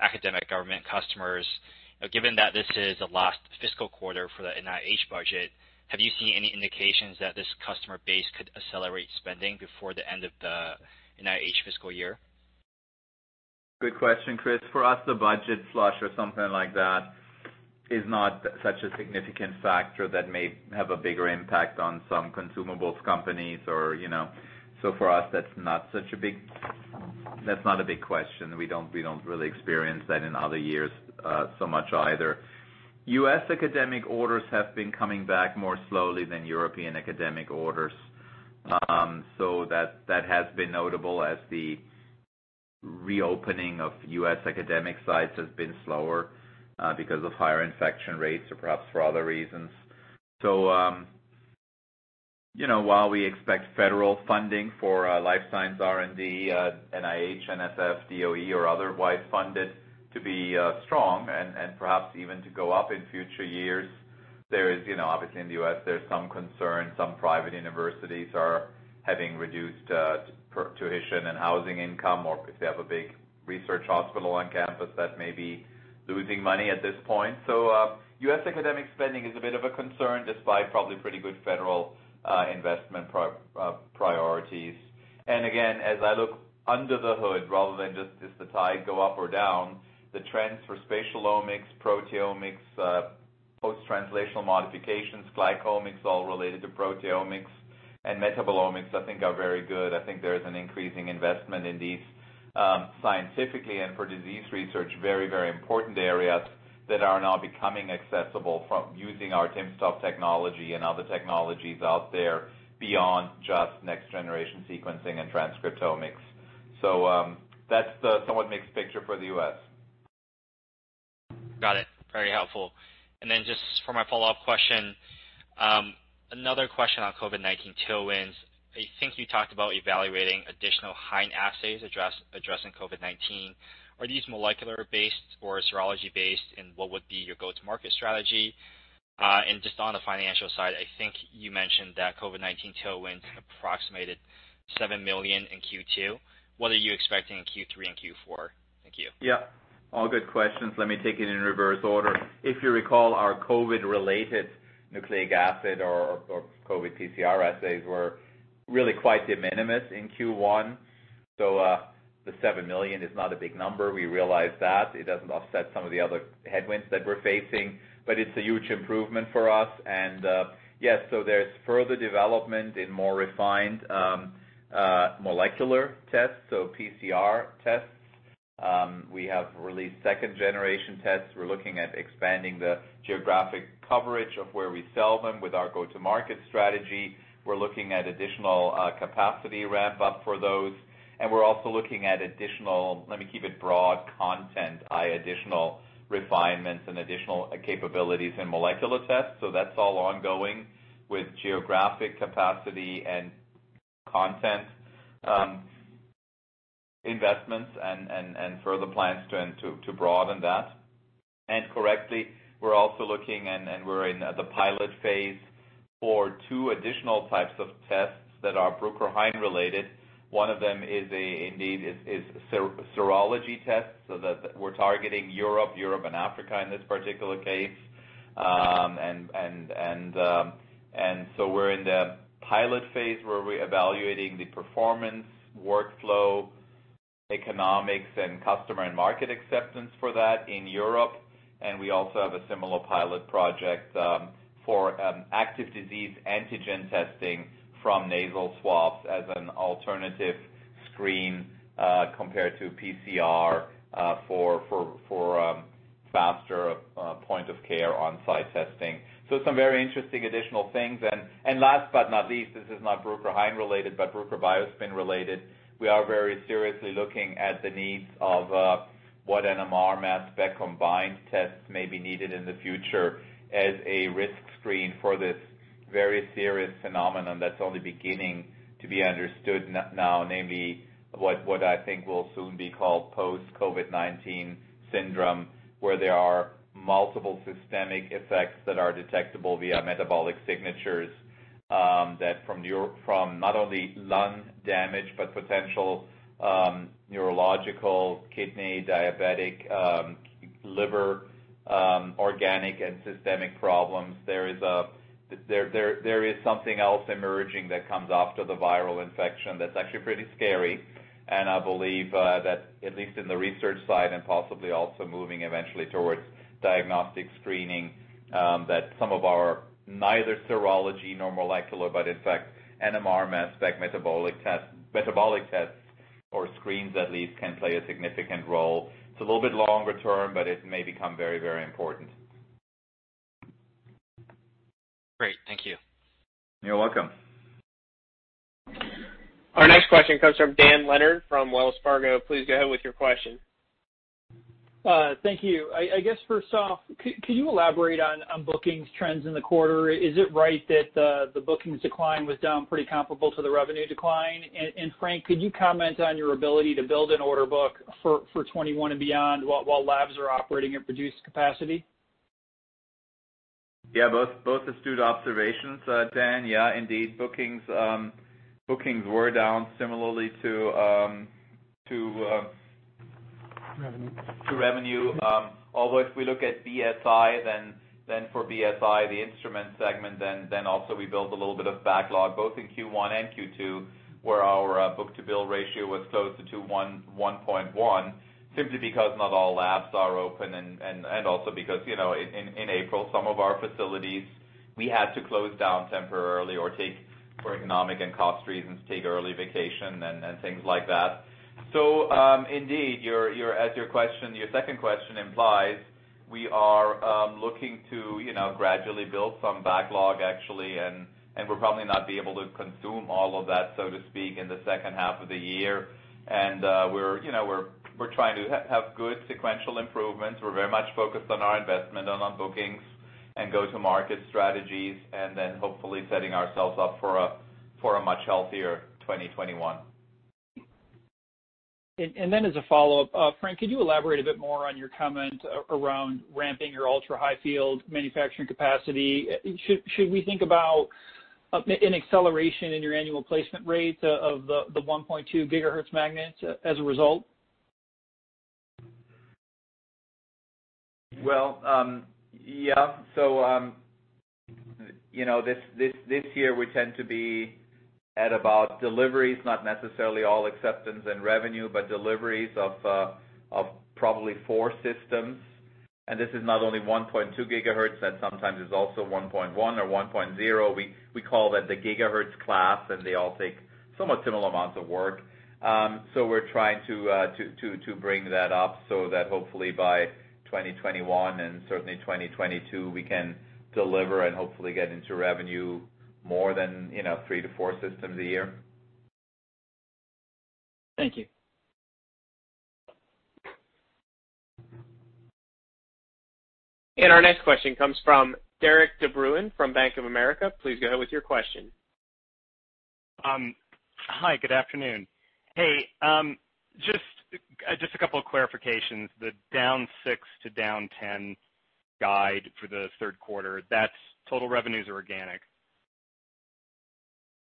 academic government customers? Given that this is the last fiscal quarter for the NIH budget, have you seen any indications that this customer base could accelerate spending before the end of the NIH fiscal year? Good question, Chris. For us, the budget flush or something like that is not such a significant factor that may have a bigger impact on some consumables companies. So for us, that's not such a big question. We don't really experience that in other years so much either. U.S. academic orders have been coming back more slowly than European academic orders. So that has been notable as the reopening of U.S. academic sites has been slower because of higher infection rates or perhaps for other reasons. So while we expect federal funding for life science R&D, NIH, NSF, DOE, or otherwise funded to be strong and perhaps even to go up in future years, there is obviously, in the U.S., there's some concern. Some private universities are having reduced tuition and housing income, or if they have a big research hospital on campus, that may be losing money at this point. U.S. academic spending is a bit of a concern despite probably pretty good federal investment priorities. Again, as I look under the hood, rather than just is the tide go up or down, the trends for spatial omics, proteomics, post-translational modifications, glycomics, all related to proteomics, and metabolomics, I think, are very good. I think there is an increasing investment in these scientifically and for disease research, very, very important areas that are now becoming accessible from using our timsTOF technology and other technologies out there beyond just next-generation sequencing and transcriptomics. That's the somewhat mixed picture for the U.S. Got it. Very helpful. And then just for my follow-up question, another question on COVID-19 tailwinds. I think you talked about evaluating additional Hain assays addressing COVID-19. Are these molecular-based or serology-based, and what would be your go-to-market strategy? And just on the financial side, I think you mentioned that COVID-19 tailwinds approximated $7 million in Q2. What are you expecting in Q3 and Q4? Thank you. Yeah. All good questions. Let me take it in reverse order. If you recall, our COVID-related nucleic acid or COVID PCR assays were really quite de minimis in Q1. So the $7 million is not a big number. We realize that. It doesn't offset some of the other headwinds that we're facing, but it's a huge improvement for us. And yes, so there's further development in more refined molecular tests, so PCR tests. We have released second-generation tests. We're looking at expanding the geographic coverage of where we sell them with our go-to-market strategy. We're looking at additional capacity ramp-up for those. And we're also looking at additional, let me keep it broad, content-additional refinements and additional capabilities in molecular tests. So that's all ongoing with geographic capacity and content investments and further plans to broaden that. Correctly, we're also looking, and we're in the pilot phase for two additional types of tests that are Bruker Hain related. One of them is indeed serology tests. We're targeting Europe and Africa in this particular case. We're in the pilot phase where we're evaluating the performance, workflow, economics, and customer and market acceptance for that in Europe. We also have a similar pilot project for active disease antigen testing from nasal swabs as an alternative screen compared to PCR for faster point-of-care on-site testing. Some very interesting additional things. Last but not least, this is not Bruker Hain related, but Bruker BioSpin related. We are very seriously looking at the needs of what NMR, mass spec, combined tests may be needed in the future as a risk screen for this very serious phenomenon that's only beginning to be understood now, namely what I think will soon be called post-COVID-19 syndrome, where there are multiple systemic effects that are detectable via metabolic signatures that from not only lung damage, but potential neurological, kidney, diabetic, liver, organic, and systemic problems. There is something else emerging that comes after the viral infection that's actually pretty scary. And I believe that, at least in the research side and possibly also moving eventually towards diagnostic screening, that some of our neither serology nor molecular, but in fact, NMR, mass spec, metabolic tests or screens at least can play a significant role. It's a little bit longer term, but it may become very, very important. Great. Thank you. You're welcome. Our next question comes from Dan Leonard from Wells Fargo. Please go ahead with your question. Thank you. I guess, first off, could you elaborate on bookings trends in the quarter? Is it right that the bookings decline was down pretty comparable to the revenue decline? And Frank, could you comment on your ability to build an order book for 2021 and beyond while labs are operating at reduced capacity? Yeah. Both are astute observations, Dan. Yeah, indeed, bookings were down similarly to. Revenue. To revenue. Although if we look at BSI, then for BSI, the instrument segment, then also we built a little bit of backlog both in Q1 and Q2 where our book-to-bill ratio was close to 1.1, simply because not all labs are open and also because in April, some of our facilities, we had to close down temporarily or, for economic and cost reasons, take early vacation and things like that. So indeed, as your second question implies, we are looking to gradually build some backlog, actually, and we'll probably not be able to consume all of that, so to speak, in the second half of the year, and we're trying to have good sequential improvements. We're very much focused on our investment and on bookings and go-to-market strategies and then hopefully setting ourselves up for a much healthier 2021. And then as a follow-up, Frank, could you elaborate a bit more on your comment around ramping your ultra-high-field manufacturing capacity? Should we think about an acceleration in your annual placement rate of the 1.2 gigahertz magnets as a result? Well, yeah, so this year, we tend to be at about deliveries, not necessarily all acceptance and revenue, but deliveries of probably four systems, and this is not only 1.2 gigahertz. That sometimes is also 1.1 or 1.0. We call that the gigahertz class, and they all take somewhat similar amounts of work, so we're trying to bring that up so that hopefully by 2021 and certainly 2022, we can deliver and hopefully get into revenue more than three to four systems a year. Thank you. And our next question comes from Derek DeBruin from Bank of America. Please go ahead with your question. Hi. Good afternoon. Hey, just a couple of clarifications. The down 6%-10% guide for the Q3, that's total revenues or organic?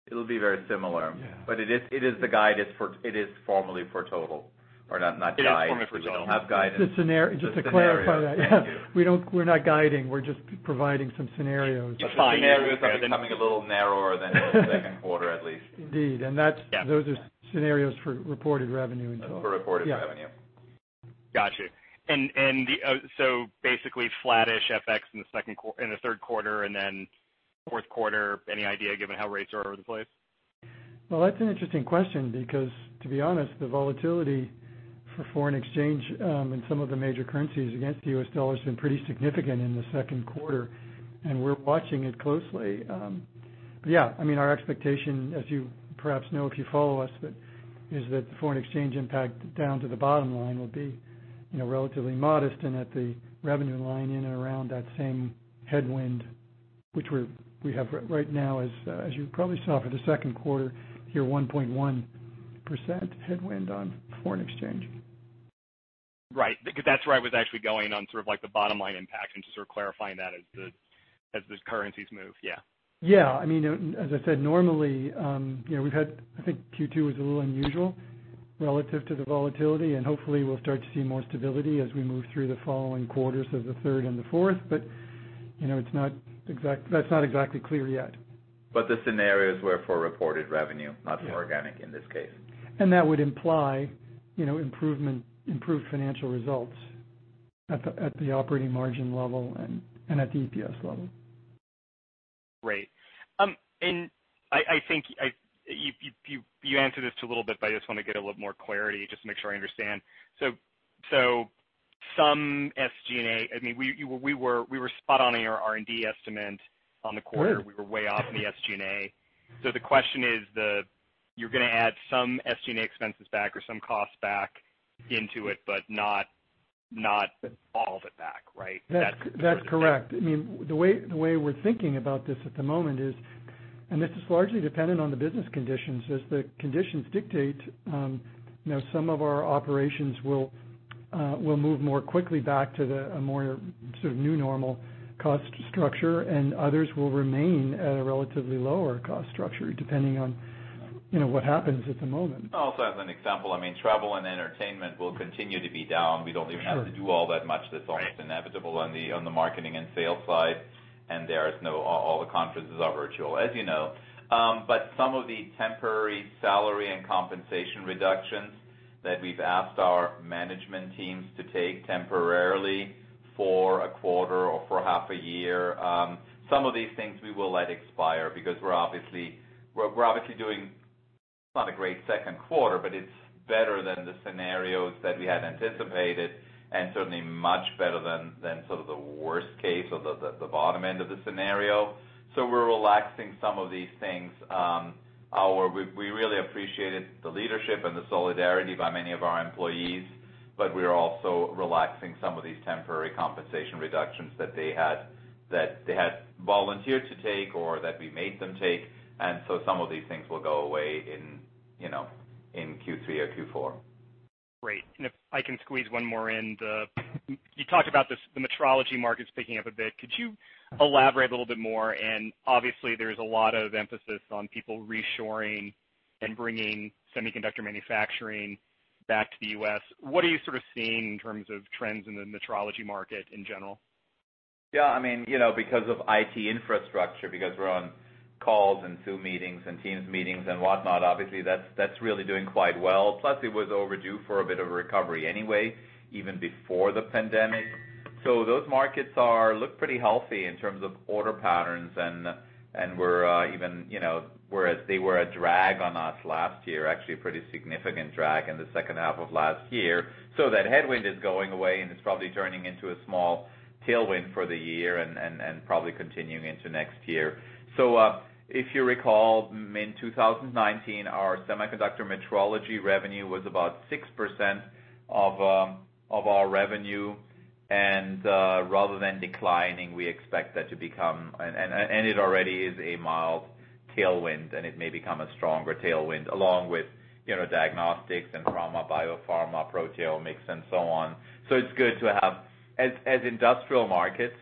It'll be very similar. But it is the guide. It is formally for total or not guided. We don't have guidance. Just to clarify that. Yeah. We're not guiding. We're just providing some scenarios. The scenarios are becoming a little narrower than the Q2, at least. Indeed, and those are scenarios for reported revenue. For reported revenue. Yeah. Gotcha. And so basically flattish effects in the Q3 and then Q4. Any idea given how rates are all over the place? That's an interesting question because, to be honest, the volatility for foreign exchange in some of the major currencies against the U.S. dollar has been pretty significant in the Q2, and we're watching it closely. Yeah, I mean, our expectation, as you perhaps know if you follow us, is that the foreign exchange impact down to the bottom line will be relatively modest and at the revenue line in and around that same headwind, which we have right now, as you probably saw for the Q2, your 1.1% headwind on foreign exchange. Right. Because that's where I was actually going on sort of the bottom line impact and just sort of clarifying that as the currencies move. Yeah. Yeah. I mean, as I said, normally we've had, I think Q2 was a little unusual relative to the volatility, and hopefully we'll start to see more stability as we move through the following quarters of the third and the fourth. But that's not exactly clear yet. But the scenario is for reported revenue, not for organic in this case. That would imply improved financial results at the operating margin level and at the EPS level. Great. And I think you answered this a little bit, but I just want to get a little more clarity just to make sure I understand. So some SG&A, I mean, we were spot on in our R&D estimate on the quarter. We were way off in the SG&A. So the question is, you're going to add some SG&A expenses back or some costs back into it, but not all of it back, right? That's correct. I mean, the way we're thinking about this at the moment is, and this is largely dependent on the business conditions. As the conditions dictate, some of our operations will move more quickly back to a more sort of new normal cost structure, and others will remain at a relatively lower cost structure depending on what happens at the moment. I'll also add an example. I mean, travel and entertainment will continue to be down. We don't even have to do all that much. That's almost inevitable on the marketing and sales side. And all the conferences are virtual, as you know. But some of the temporary salary and compensation reductions that we've asked our management teams to take temporarily for a quarter or for half a year, some of these things we will let expire because we're obviously doing not a great Q2, but it's better than the scenarios that we had anticipated and certainly much better than sort of the worst case or the bottom end of the scenario. So we're relaxing some of these things. We really appreciated the leadership and the solidarity by many of our employees, but we're also relaxing some of these temporary compensation reductions that they had volunteered to take or that we made them take, and so some of these things will go away in Q3 or Q4. Great. And if I can squeeze one more in, you talked about the metrology markets picking up a bit. Could you elaborate a little bit more? And obviously, there's a lot of emphasis on people reshoring and bringing semiconductor manufacturing back to the U.S. What are you sort of seeing in terms of trends in the metrology market in general? Yeah. I mean, because of IT infrastructure, because we're on calls and Zoom meetings and Teams meetings and whatnot, obviously that's really doing quite well. Plus, it was overdue for a bit of a recovery anyway, even before the pandemic. So those markets look pretty healthy in terms of order patterns. And whereas they were a drag on us last year, actually a pretty significant drag in the second half of last year. So that headwind is going away, and it's probably turning into a small tailwind for the year and probably continuing into next year. So if you recall, in 2019, our semiconductor metrology revenue was about 6% of our revenue. And rather than declining, we expect that to become, and it already is a mild tailwind, and it may become a stronger tailwind along with diagnostics and pharma, biopharma, proteomics, and so on. So it's good to have, as industrial markets,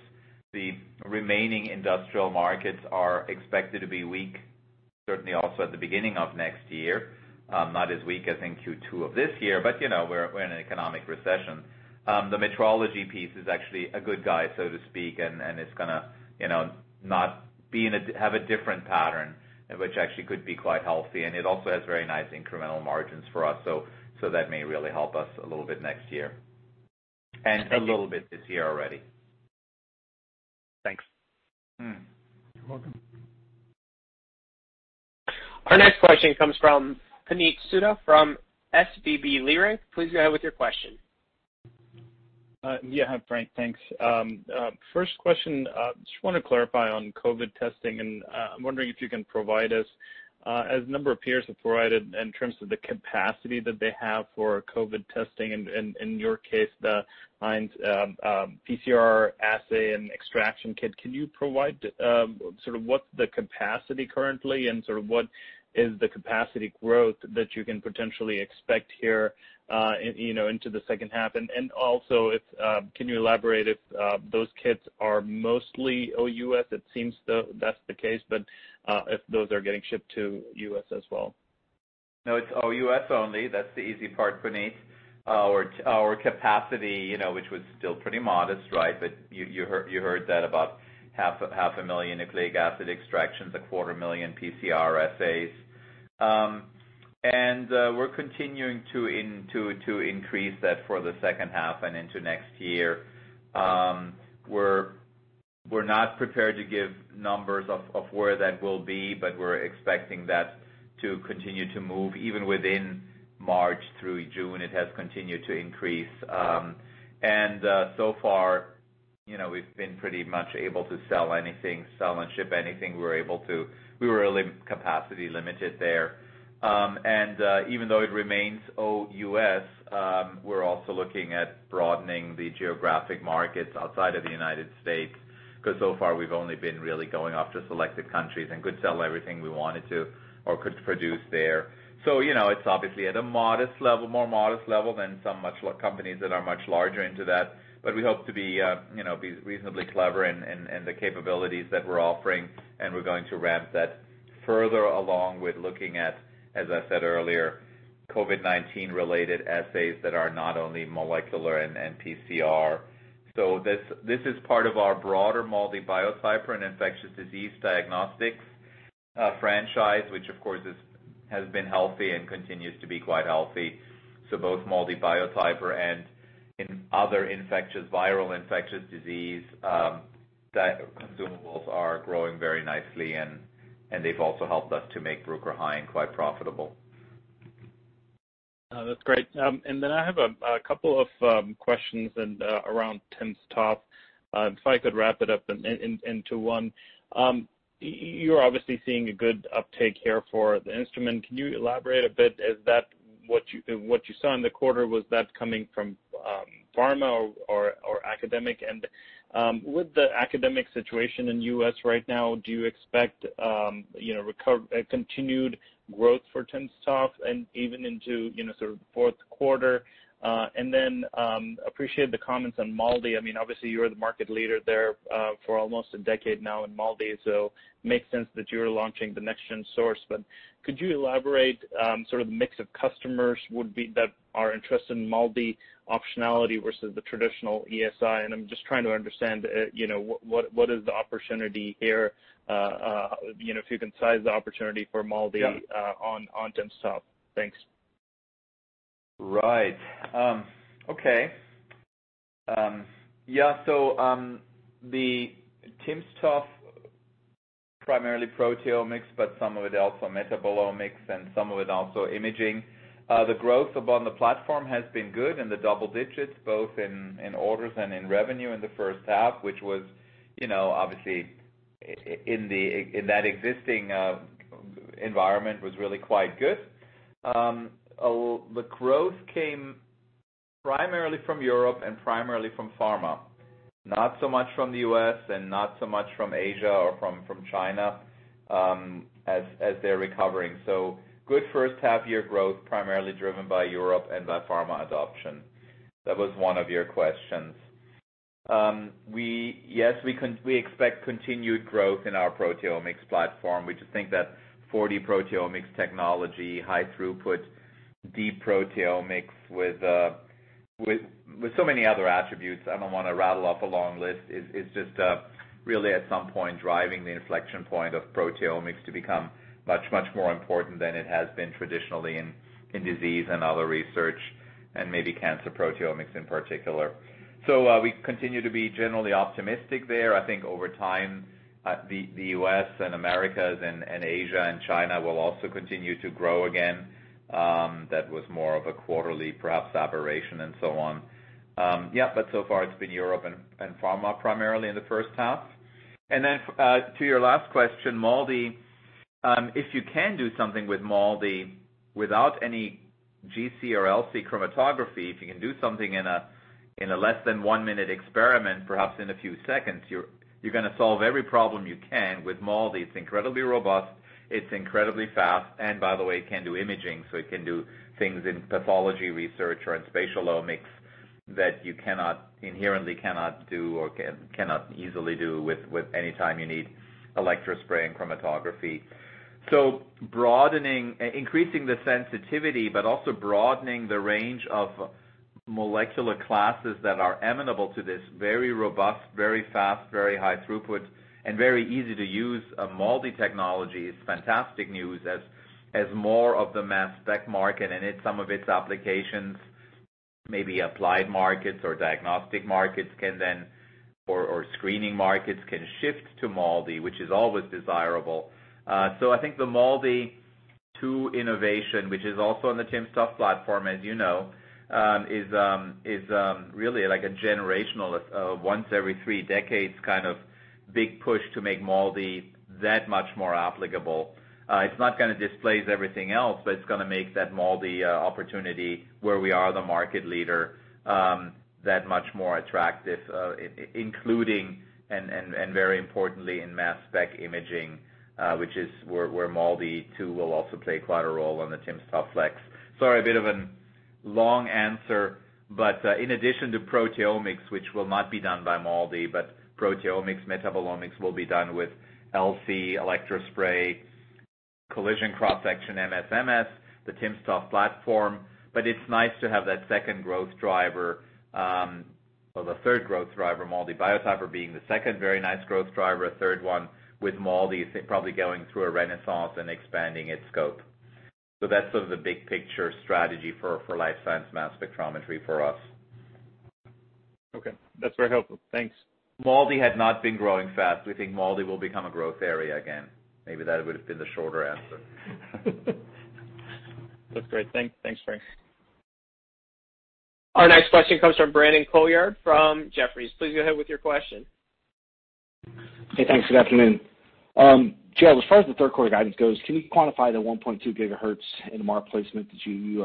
the remaining industrial markets are expected to be weak, certainly also at the beginning of next year, not as weak as in Q2 of this year, but we're in an economic recession. The metrology piece is actually a good guy, so to speak, and it's going to not have a different pattern, which actually could be quite healthy. And it also has very nice incremental margins for us. So that may really help us a little bit next year and a little bit this year already. Thanks. You're welcome. Our next question comes from Puneet Souda from SVB Leerink. Please go ahead with your question. Yeah. Hi, Frank. Thanks. First question, just want to clarify on COVID testing. And I'm wondering if you can provide us, as a number of peers have provided in terms of the capacity that they have for COVID testing and, in your case, the PCR assay and extraction kit, can you provide sort of what's the capacity currently and sort of what is the capacity growth that you can potentially expect here into the second half? And also, can you elaborate if those kits are mostly OUS? It seems that's the case, but if those are getting shipped to US as well. No, it's OUS only. That's the easy part, Puneet. Our capacity, which was still pretty modest, right? But you heard that about 500,000 nucleic acid extractions, 250,000 PCR assays. And we're continuing to increase that for the second half and into next year. We're not prepared to give numbers of where that will be, but we're expecting that to continue to move. Even within March through June, it has continued to increase. And so far, we've been pretty much able to sell anything, sell and ship anything. We were able to, we were really capacity limited there. And even though it remains OUS, we're also looking at broadening the geographic markets outside of the United States because so far, we've only been really going after selected countries and could sell everything we wanted to or could produce there. So it's obviously at a more modest level than some companies that are much larger into that. But we hope to be reasonably clever in the capabilities that we're offering, and we're going to ramp that further along with looking at, as I said earlier, COVID-19-related assays that are not only molecular and PCR. So this is part of our broader MALDI Biotyper and infectious disease diagnostics franchise, which, of course, has been healthy and continues to be quite healthy. So both MALDI Biotyper and in other viral infectious disease consumables are growing very nicely, and they've also helped us to make Bruker Hain quite profitable. That's great. And then I have a couple of questions around timsTOF. If I could wrap it up into one. You're obviously seeing a good uptake here for the instrument. Can you elaborate a bit? Is that what you saw in the quarter? Was that coming from pharma or academic? And with the academic situation in the U.S. right now, do you expect continued growth for timsTOF and even into sort of the Q4? And then I appreciate the comments on MALDI. I mean, obviously, you're the market leader there for almost a decade now in MALDI. So it makes sense that you're launching the next-gen source. But could you elaborate sort of the mix of customers that are interested in MALDI optionality versus the traditional ESI? I'm just trying to understand what is the opportunity here, if you can size the opportunity for MALDI on timsTOF. Thanks. Right. Okay. Yeah. So timsTOF talk primarily proteomics, but some of it also metabolomics and some of it also imaging. The growth on the platform has been good in the double digits, both in orders and in revenue in the first half, which was obviously in that existing environment really quite good. The growth came primarily from Europe and primarily from pharma, not so much from the U.S. and not so much from Asia or from China as they're recovering. So good first half-year growth primarily driven by Europe and by pharma adoption. That was one of your questions. Yes, we expect continued growth in our proteomics platform. We just think that 4D proteomics technology, high throughput, deep proteomics with so many other attributes. I don't want to rattle off a long list. It's just really at some point driving the inflection point of proteomics to become much, much more important than it has been traditionally in disease and other research and maybe cancer proteomics in particular. So we continue to be generally optimistic there. I think over time, the U.S. and Americas and Asia and China will also continue to grow again. That was more of a quarterly, perhaps, aberration and so on. Yeah, but so far, it's been Europe and pharma primarily in the first half, and then to your last question, MALDI, if you can do something with MALDI without any GC or LC chromatography, if you can do something in a less than one-minute experiment, perhaps in a few seconds, you're going to solve every problem you can with MALDI. It's incredibly robust. It's incredibly fast. And by the way, it can do imaging. So it can do things in pathology research or in Spatial Omics that you inherently cannot do or cannot easily do with any time you need electrospray and chromatography. So increasing the sensitivity, but also broadening the range of molecular classes that are amenable to this very robust, very fast, very high throughput, and very easy to use MALDI technology is fantastic news as more of the mass spec market and some of its applications, maybe applied markets or diagnostic markets or screening markets can shift to MALDI, which is always desirable. So I think the MALDI-2 innovation, which is also on the timsTOF platform, as you know, is really like a generational, once every three decades kind of big push to make MALDI that much more applicable. It's not going to displace everything else, but it's going to make that MALDI opportunity where we are the market leader that much more attractive, including and very importantly in mass spec imaging, which is where MALDI-2 will also play quite a role on the timsTOF fleX. Sorry, a bit of a long answer, but in addition to proteomics, which will not be done by MALDI, but proteomics, metabolomics will be done with LC, electrospray, collision cross-section, MSMS, the timsTOF platform. But it's nice to have that second growth driver or the third growth driver, MALDI Biotyper being the second very nice growth driver, a third one with MALDI probably going through a renaissance and expanding its scope. So that's sort of the big picture strategy for life science mass spectrometry for us. Okay. That's very helpful. Thanks. MALDI had not been growing fast. We think MALDI will become a growth area again. Maybe that would have been the shorter answer. That's great. Thanks, Frank. Our next question comes from Brandon Couillard from Jefferies. Please go ahead with your question. Hey, thanks. Good afternoon. Ger, as far as the Q3 guidance goes, can you quantify the 1.2 gigahertz in the market placement that you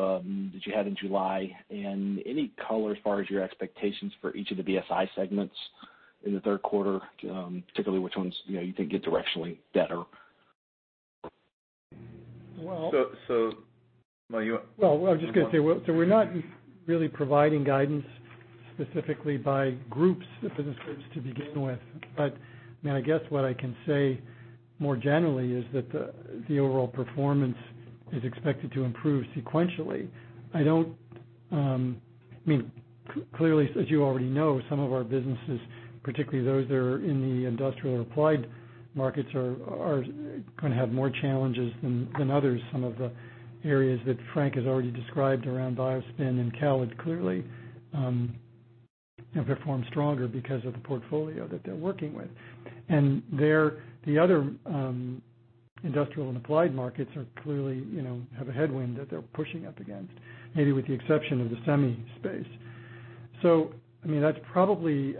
had in July? And any color as far as your expectations for each of the BSI segments in the Q3, particularly which ones you think get directionally better? Well. So you. I was just going to say, so we're not really providing guidance specifically by groups, the business groups to begin with. But I mean, I guess what I can say more generally is that the overall performance is expected to improve sequentially. I mean, clearly, as you already know, some of our businesses, particularly those that are in the industrial or applied markets, are going to have more challenges than others. Some of the areas that Frank has already described around BioSpin and Cal would clearly perform stronger because of the portfolio that they're working with. And the other industrial and applied markets clearly have a headwind that they're pushing up against, maybe with the exception of the semi space. So I mean, that's probably.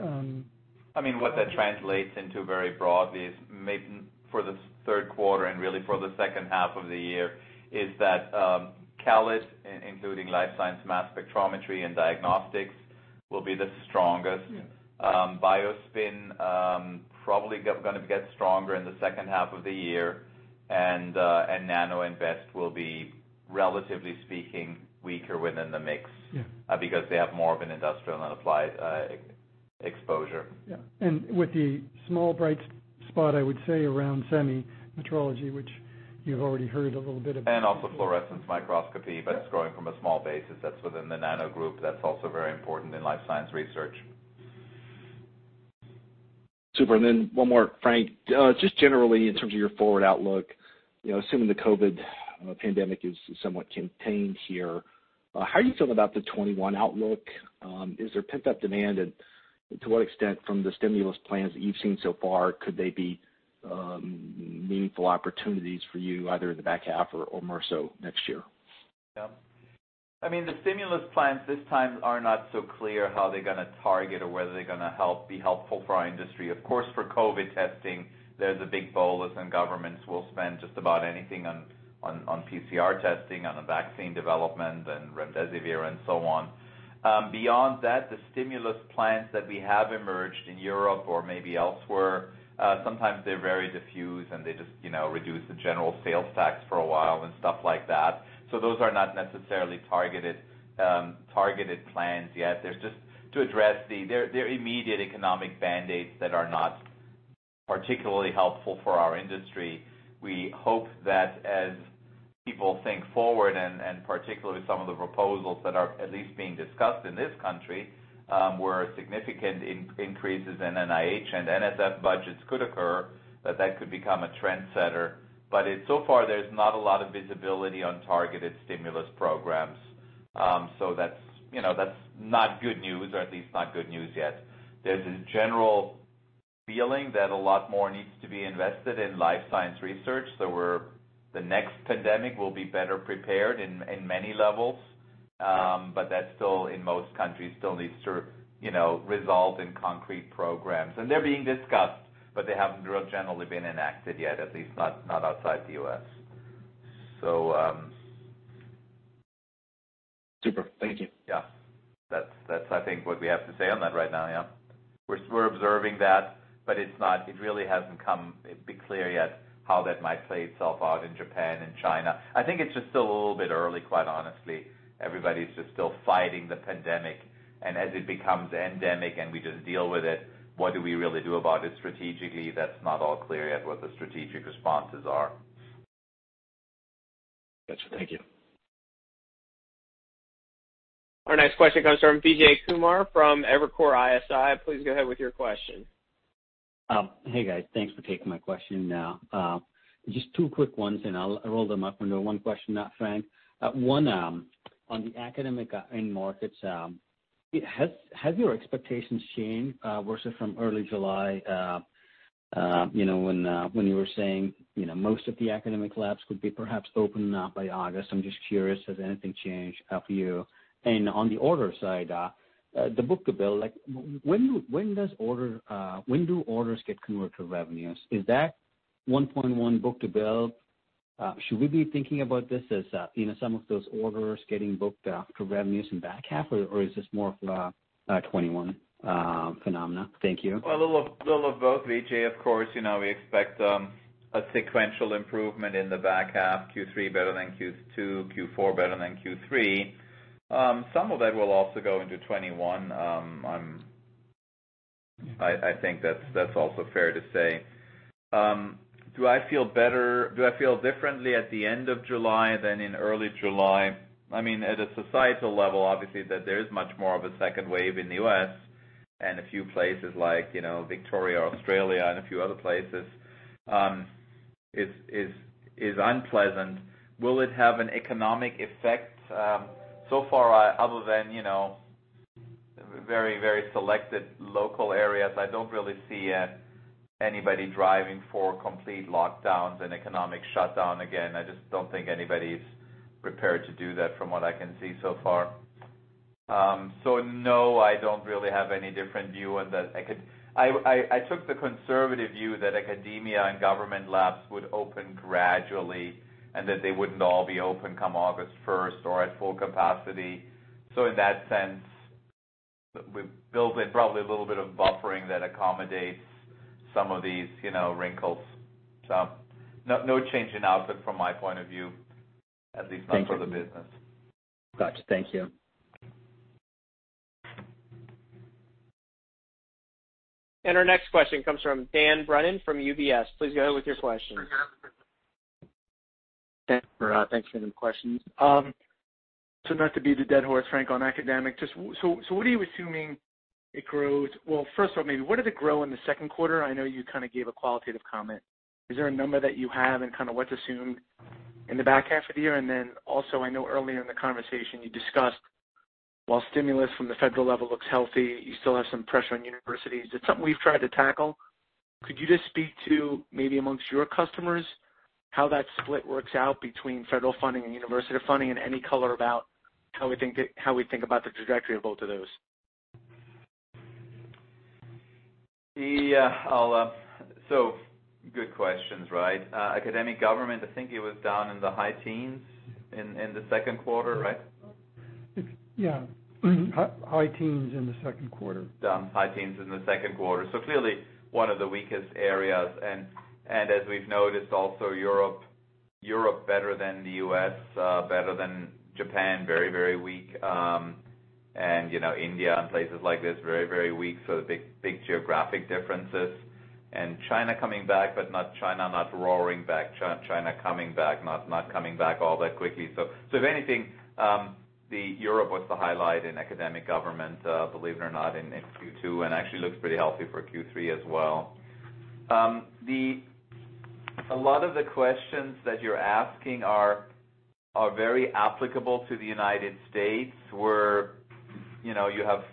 I mean, what that translates into very broadly for the Q3 and really for the second half of the year is that CALID, including life science mass spectrometry and diagnostics, will be the strongest. BioSpin probably going to get stronger in the second half of the year. And Nano will be, relatively speaking, weaker within the mix because they have more of an industrial and applied exposure. Yeah, and with the small bright spot, I would say, around semi metrology, which you've already heard a little bit about. Also fluorescence microscopy, but it's growing from a small base. That's within the Nano group. That's also very important in life science research. Super. And then one more, Frank. Just generally, in terms of your forward outlook, assuming the COVID pandemic is somewhat contained here, how are you feeling about the 2021 outlook? Is there pent-up demand? And to what extent, from the stimulus plans that you've seen so far, could they be meaningful opportunities for you either in the back half or more so next year? Yeah. I mean, the stimulus plans this time are not so clear how they're going to target or whether they're going to be helpful for our industry. Of course, for COVID testing, there's a big bolus and governments will spend just about anything on PCR testing, on vaccine development, and remdesivir, and so on. Beyond that, the stimulus plans that have emerged in Europe or maybe elsewhere, sometimes they're very diffuse and they just reduce the general sales tax for a while and stuff like that. So those are not necessarily targeted plans yet. They're just band-aids to address the immediate economic issues that are not particularly helpful for our industry. We hope that as people think forward and particularly some of the proposals that are at least being discussed in this country, where significant increases in NIH and NSF budgets could occur, that that could become a trendsetter. But so far, there's not a lot of visibility on targeted stimulus programs. So that's not good news or at least not good news yet. There's a general feeling that a lot more needs to be invested in life science research so the next pandemic will be better prepared in many levels. But that still, in most countries, still needs to result in concrete programs. And they're being discussed, but they haven't really generally been enacted yet, at least not outside the U.S. So. Super. Thank you. Yeah. That's, I think, what we have to say on that right now. Yeah. We're observing that, but it really hasn't become clear yet how that might play itself out in Japan and China. I think it's just still a little bit early, quite honestly. Everybody's just still fighting the pandemic. And as it becomes endemic and we just deal with it, what do we really do about it strategically? That's not all clear yet what the strategic responses are. Gotcha. Thank you. Our next question comes from Vijay Kumar from Evercore ISI. Please go ahead with your question. Hey, guys. Thanks for taking my question now. Just two quick ones, and I'll roll them up into one question now, Frank. One on the academic markets. Has your expectations changed versus from early July when you were saying most of the academic labs could be perhaps opened now by August? I'm just curious, has anything changed for you? And on the order side, the book-to-bill, when do orders get converted to revenues? Is that 1.1x book-to-bill? Should we be thinking about this as some of those orders getting booked after revenues in back half, or is this more of a 2021 phenomena? Thank you. A little of both, BJ. Of course, we expect a sequential improvement in the back half, Q3 better than Q2, Q4 better than Q3. Some of that will also go into 2021. I think that's also fair to say. Do I feel better? Do I feel differently at the end of July than in early July? I mean, at a societal level, obviously, that there is much more of a second wave in the U.S. and a few places like Victoria, Australia and a few other places is unpleasant. Will it have an economic effect? So far, other than very, very selected local areas, I don't really see anybody driving for complete lockdowns and economic shutdown again. I just don't think anybody's prepared to do that from what I can see so far. So no, I don't really have any different view on that. I took the conservative view that academia and government labs would open gradually and that they wouldn't all be open come August 1st or at full capacity. So in that sense, we've built in probably a little bit of buffering that accommodates some of these wrinkles. So no change in outlook from my point of view, at least not for the business. Gotcha. Thank you. Our next question comes from Dan Brennan from UBS. Please go ahead with your questions. Thanks, Brad. Thanks for the questions. So not to beat a dead horse, Frank, on academic, so what are you assuming it grows? Well, first of all, maybe what did it grow in the Q2? I know you kind of gave a qualitative comment. Is there a number that you have and kind of what's assumed in the back half of the year? And then also, I know earlier in the conversation you discussed, while stimulus from the federal level looks healthy, you still have some pressure on universities. It's something we've tried to tackle. Could you just speak to maybe amongst your customers how that split works out between federal funding and university funding and any color about how we think about the trajectory of both of those? Yeah. So good questions, right? Academic government, I think it was down in the high teens in the Q2, right? Yeah. High teens in the Q2. High teens in the Q2, so clearly one of the weakest areas, and as we've noticed, also Europe, better than the U.S., better than Japan, very, very weak, and India and places like this, very, very weak, so big geographic differences, and China coming back, but not roaring back, not coming back all that quickly, so if anything, Europe was the highlight in academic government, believe it or not, in Q2 and actually looks pretty healthy for Q3 as well. A lot of the questions that you're asking are very applicable to the United States, where you have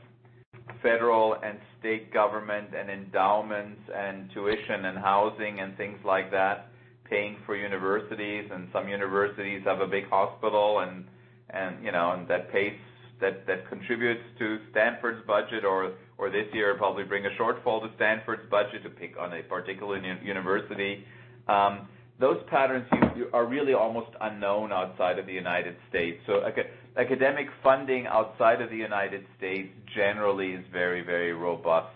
federal and state government and endowments and tuition and housing and things like that paying for universities, and some universities have a big hospital, and that contributes to Stanford's budget or this year probably bring a shortfall to Stanford's budget to pick on a particular university. Those patterns are really almost unknown outside of the United States. So academic funding outside of the United States generally is very, very robust.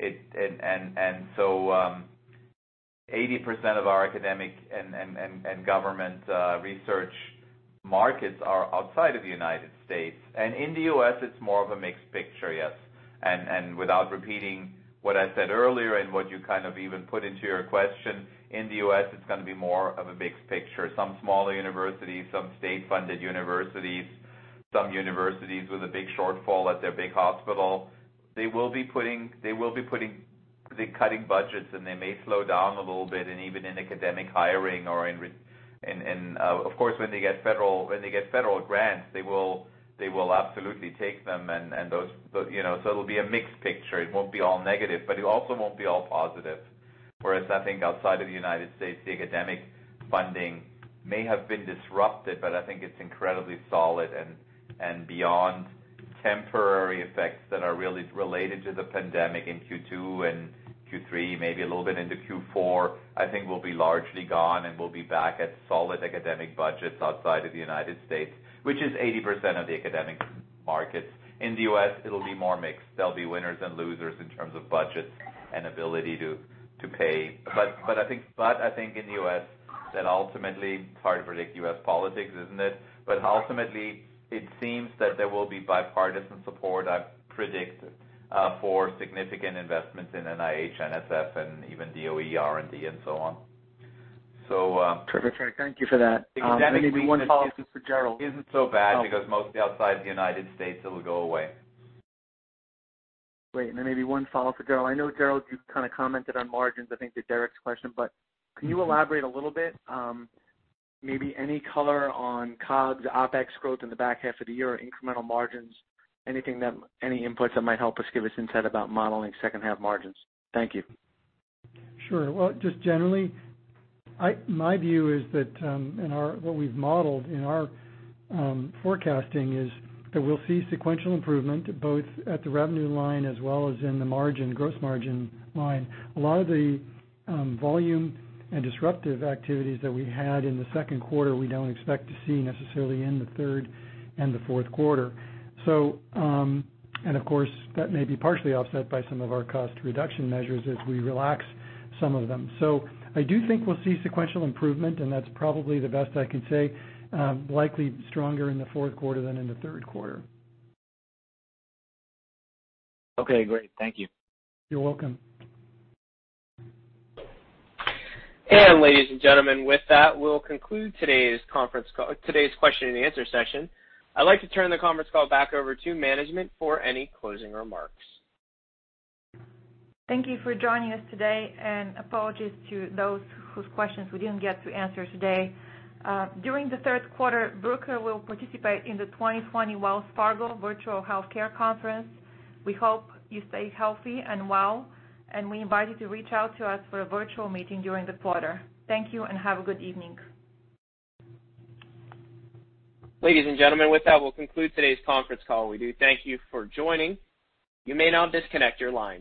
And so 80% of our academic and government research markets are outside of the United States. And in the U.S., it's more of a mixed picture, yes. And without repeating what I said earlier and what you kind of even put into your question, in the U.S., it's going to be more of a mixed picture. Some smaller universities, some state-funded universities, some universities with a big shortfall at their big hospital, they will be cutting budgets, and they may slow down a little bit and even in academic hiring or in, of course, when they get federal grants, they will absolutely take them. And so it'll be a mixed picture. It won't be all negative, but it also won't be all positive. Whereas I think outside of the United States, the academic funding may have been disrupted, but I think it's incredibly solid and beyond temporary effects that are really related to the pandemic in Q2 and Q3, maybe a little bit into Q4, I think will be largely gone and will be back at solid academic budgets outside of the United States, which is 80% of the academic markets. In the U.S., it'll be more mixed. There'll be winners and losers in terms of budgets and ability to pay. But I think in the U.S., that ultimately it's hard to predict U.S. politics, isn't it? But ultimately, it seems that there will be bipartisan support, I predict, for significant investments in NIH, NSF, and even DOE, R&D, and so on. So. Terrific. Thank you for that. And maybe one follow-up for Gerald. isn't so bad because mostly outside the United States, it'll go away. Great. And then maybe one follow-up for Gerald. I know, Gerald, you kind of commented on margins. I think to Derek's question, but can you elaborate a little bit? Maybe any color on COGS, OpEx growth in the back half of the year, incremental margins, any inputs that might help us give us insight about modeling second-half margins? Thank you. Sure. Just generally, my view is that what we've modeled in our forecasting is that we'll see sequential improvement both at the revenue line as well as in the gross margin line. A lot of the volume and disruptive activities that we had in the Q2, we don't expect to see necessarily in the third and the Q4. And of course, that may be partially offset by some of our cost reduction measures as we relax some of them. So I do think we'll see sequential improvement, and that's probably the best I can say, likely stronger in the Q4 than in the Q3. Okay. Great. Thank you. You're welcome. And ladies and gentlemen, with that, we'll conclude today's question and answer session. I'd like to turn the conference call back over to management for any closing remarks. Thank you for joining us today. And apologies to those whose questions we didn't get to answer today. During the Q3, Bruker will participate in the 2020 Wells Fargo Virtual Healthcare Conference. We hope you stay healthy and well, and we invite you to reach out to us for a virtual meeting during the quarter. Thank you and have a good evening. Ladies and gentlemen, with that, we'll conclude today's conference call. We do thank you for joining. You may now disconnect your line.